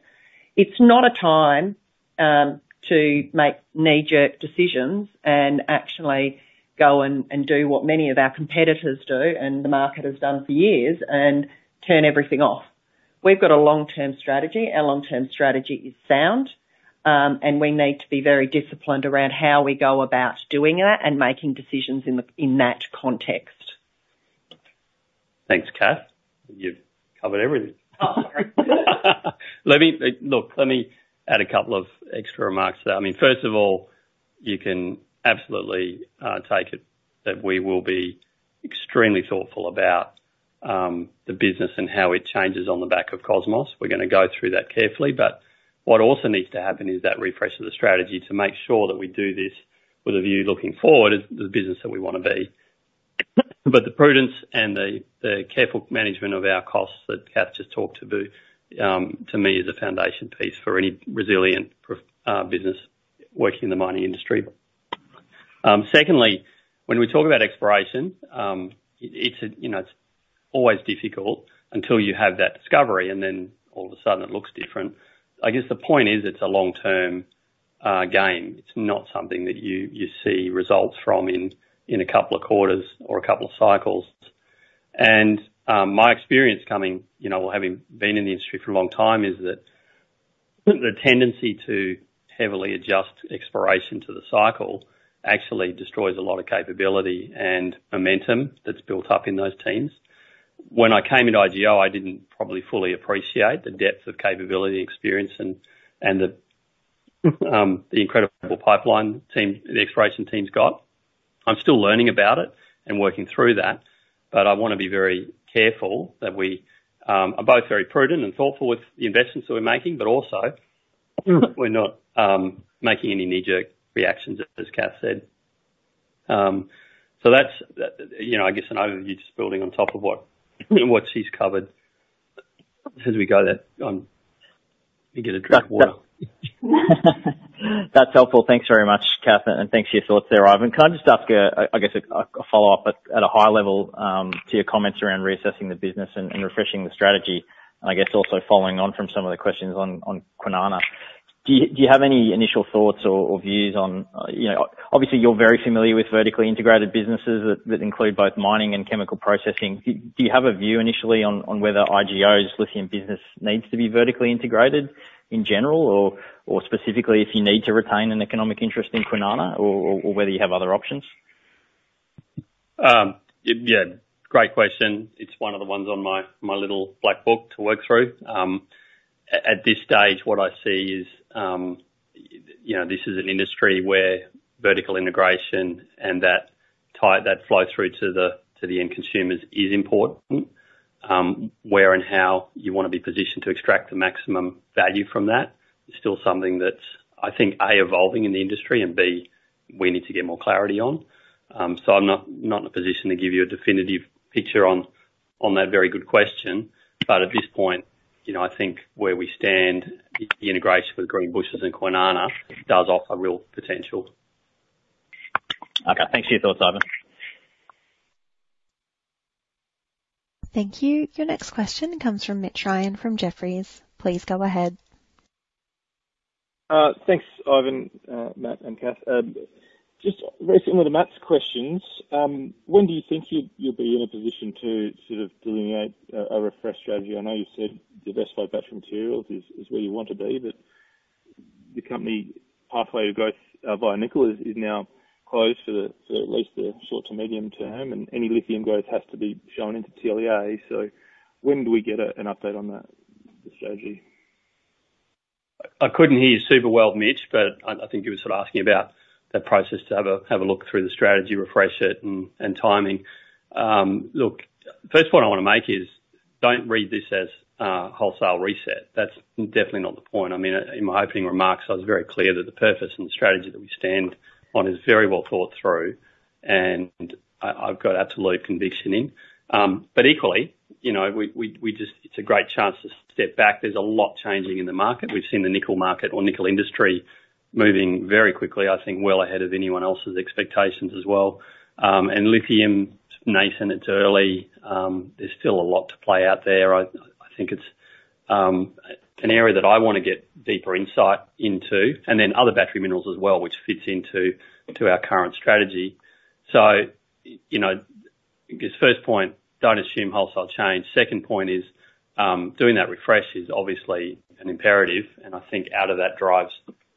It's not a time to make knee-jerk decisions and actually go and do what many of our competitors do, and the market has done for years, and turn everything off. We've got a long-term strategy. Our long-term strategy is sound. We need to be very disciplined around how we go about doing that and making decisions in that context. Thanks, Kath. You've covered everything. Oh, great. Look, let me add a couple of extra remarks there. I mean, first of all, you can absolutely take it that we will be extremely thoughtful about the business and how it changes on the back of Cosmos. We're gonna go through that carefully, but what also needs to happen is that refresh of the strategy to make sure that we do this with a view looking forward as the business that we want to be. But the prudence and the careful management of our costs that Kath just talked to, to me, is a foundation piece for any resilient pro, business working in the mining industry. Secondly, when we talk about exploration, it's, you know, it's always difficult until you have that discovery, and then all of a sudden it looks different. I guess the point is, it's a long-term game. It's not something that you see results from in a couple of quarters or a couple of cycles. And my experience coming, you know, or having been in the industry for a long time, is that the tendency to heavily adjust exploration to the cycle actually destroys a lot of capability and momentum that's built up in those teams. When I came into IGO, I didn't probably fully appreciate the depth of capability, experience and the incredible pipeline team the exploration team's got. I'm still learning about it and working through that, but I wanna be very careful that we are both very prudent and thoughtful with the investments that we're making, but also, we're not making any knee-jerk reactions, as Kath said. So that's that, you know, I guess an overview, just building on top of what she's covered. As we go there on... Let me get a drink of water. That's helpful. Thanks very much, Kath, and thanks for your thoughts there, Ivan. Can I just ask, I guess, a follow-up, at a high level, to your comments around reassessing the business and refreshing the strategy? And I guess also following on from some of the questions on Kwinana. Do you have any initial thoughts or views on... You know, obviously, you're very familiar with vertically integrated businesses that include both mining and chemical processing. Do you have a view initially on whether IGO's lithium business needs to be vertically integrated in general, or specifically if you need to retain an economic interest in Kwinana, or whether you have other options? Yeah, great question. It's one of the ones on my little black book to work through. At this stage, what I see is, you know, this is an industry where vertical integration and that tie, that flow through to the end consumers is important. Where and how you wanna be positioned to extract the maximum value from that is still something that's, I think, A, evolving in the industry, and B, we need to get more clarity on. So I'm not in a position to give you a definitive picture on that very good question. But at this point, you know, I think where we stand, the integration with Greenbushes and Kwinana does offer real potential. Okay. Thanks for your thoughts, Ivan. Thank you. Your next question comes from Mitch Ryan, from Jefferies. Please go ahead. Thanks, Ivan, Matt and Kath. Just very similar to Matt's questions, when do you think you'll be in a position to sort of delineate a refresh strategy? I know you've said diversified batch materials is where you want to be, but the company pathway to growth via nickel is now closed for at least the short to medium term, and any lithium growth has to be shown into CLE. So when do we get an update on that strategy? I couldn't hear you super well, Mitch, but I think you were sort of asking about that process to have a look through the strategy, refresh it and timing. Look, first point I wanna make is: don't read this as a wholesale reset. That's definitely not the point. I mean, in my opening remarks, I was very clear that the purpose and the strategy that we stand on is very well thought through, and I've got absolute conviction in. But equally, you know, we just. It's a great chance to step back. There's a lot changing in the market. We've seen the nickel market or nickel industry moving very quickly, I think, well ahead of anyone else's expectations as well. And lithium, nascent, it's early, there's still a lot to play out there. I think it's an area that I wanna get deeper insight into, and then other battery minerals as well, which fits into our current strategy. So, you know, I guess first point, don't assume wholesale change. Second point is, doing that refresh is obviously an imperative, and I think out of that drives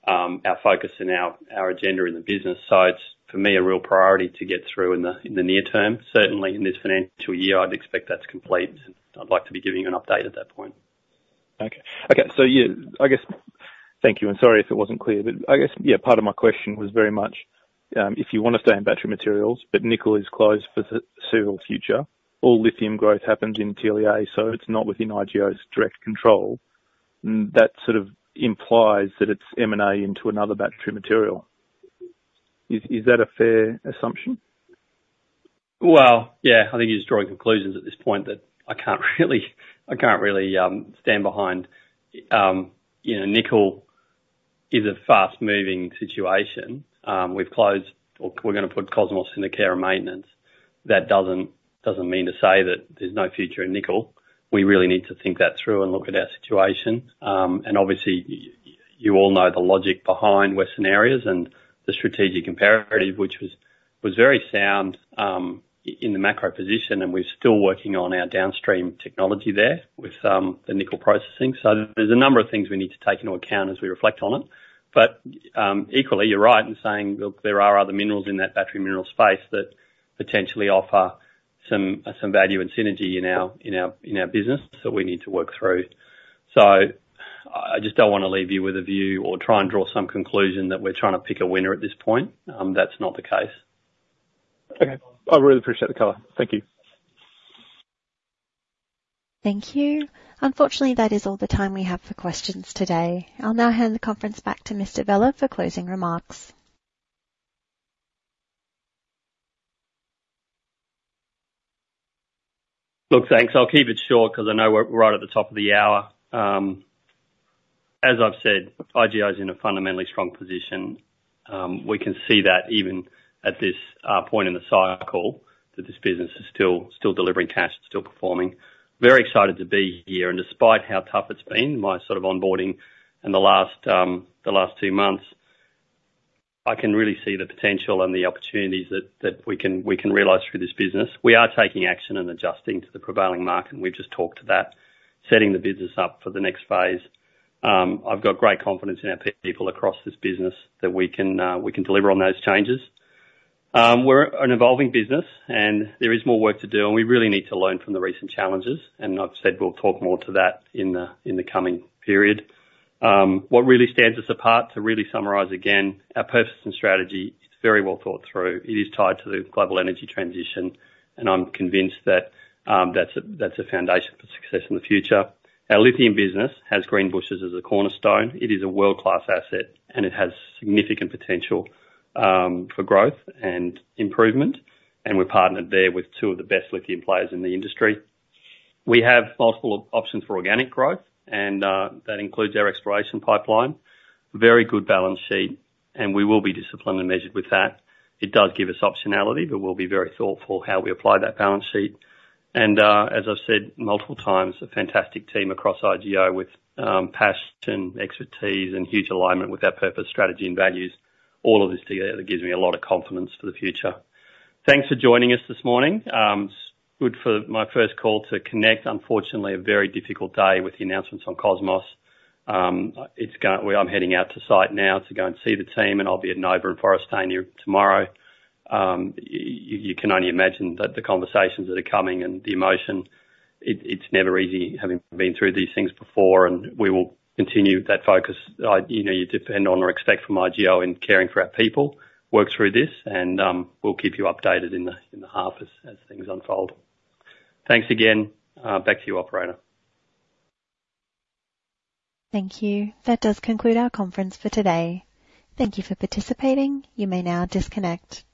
our focus and our agenda in the business. So it's, for me, a real priority to get through in the near term. Certainly in this financial year, I'd expect that to complete, and I'd like to be giving you an update at that point. Okay. Okay, so yeah, I guess... Thank you, and sorry if it wasn't clear, but I guess, yeah, part of my question was very much, if you want to stay in battery materials, but nickel is closed for the foreseeable future, all lithium growth happens in TLA, so it's not within IGO's direct control, and that sort of implies that it's M&A into another battery material. Is, is that a fair assumption? Well, yeah, I think you're just drawing conclusions at this point that I can't really stand behind. You know, nickel is a fast-moving situation. We've closed or we're gonna put Cosmos in the care and maintenance. That doesn't mean to say that there's no future in nickel. We really need to think that through and look at our situation. And obviously, you all know the logic behind Western Areas and the strategic imperative, which was very sound, in the macro position, and we're still working on our downstream technology there with the nickel processing. So there's a number of things we need to take into account as we reflect on it. But, equally, you're right in saying, look, there are other minerals in that battery mineral space that potentially offer some value and synergy in our business, so we need to work through. So I just don't wanna leave you with a view or try and draw some conclusion that we're trying to pick a winner at this point. That's not the case. Okay. I really appreciate the color. Thank you. Thank you. Unfortunately, that is all the time we have for questions today. I'll now hand the conference back to Mr. Vella for closing remarks. Look, thanks. I'll keep it short 'cause I know we're, we're right at the top of the hour. As I've said, IGO's in a fundamentally strong position. We can see that even at this point in the cycle, that this business is still, still delivering cash, it's still performing. Very excited to be here, and despite how tough it's been, my sort of onboarding in the last, the last two months, I can really see the potential and the opportunities that, that we can, we can realize through this business. We are taking action and adjusting to the prevailing market, and we've just talked to that, setting the business up for the next phase. I've got great confidence in our people across this business that we can, we can deliver on those changes. We're an evolving business and there is more work to do, and we really need to learn from the recent challenges, and I've said we'll talk more to that in the, in the coming period. What really stands us apart, to really summarize again, our purpose and strategy is very well thought through. It is tied to the global energy transition, and I'm convinced that, that's a, that's a foundation for success in the future. Our lithium business has Greenbushes as a cornerstone. It is a world-class asset, and it has significant potential, for growth and improvement, and we're partnered there with two of the best lithium players in the industry. We have multiple options for organic growth, and, that includes our exploration pipeline. Very good balance sheet, and we will be disciplined and measured with that. It does give us optionality, but we'll be very thoughtful how we apply that balance sheet. And, as I've said multiple times, a fantastic team across IGO with passion, expertise and huge alignment with our purpose, strategy and values. All of this together gives me a lot of confidence for the future. Thanks for joining us this morning. It's good for my first call to connect. Unfortunately, a very difficult day with the announcements on Cosmos. Well, I'm heading out to site now to go and see the team, and I'll be at Nova in Forrestania tomorrow. You can only imagine that the conversations that are coming and the emotion. It's never easy having been through these things before, and we will continue that focus. You know, you depend on or expect from IGO in caring for our people, work through this and we'll keep you updated in the half as things unfold. Thanks again. Back to you, operator. Thank you. That does conclude our conference for today. Thank you for participating. You may now disconnect.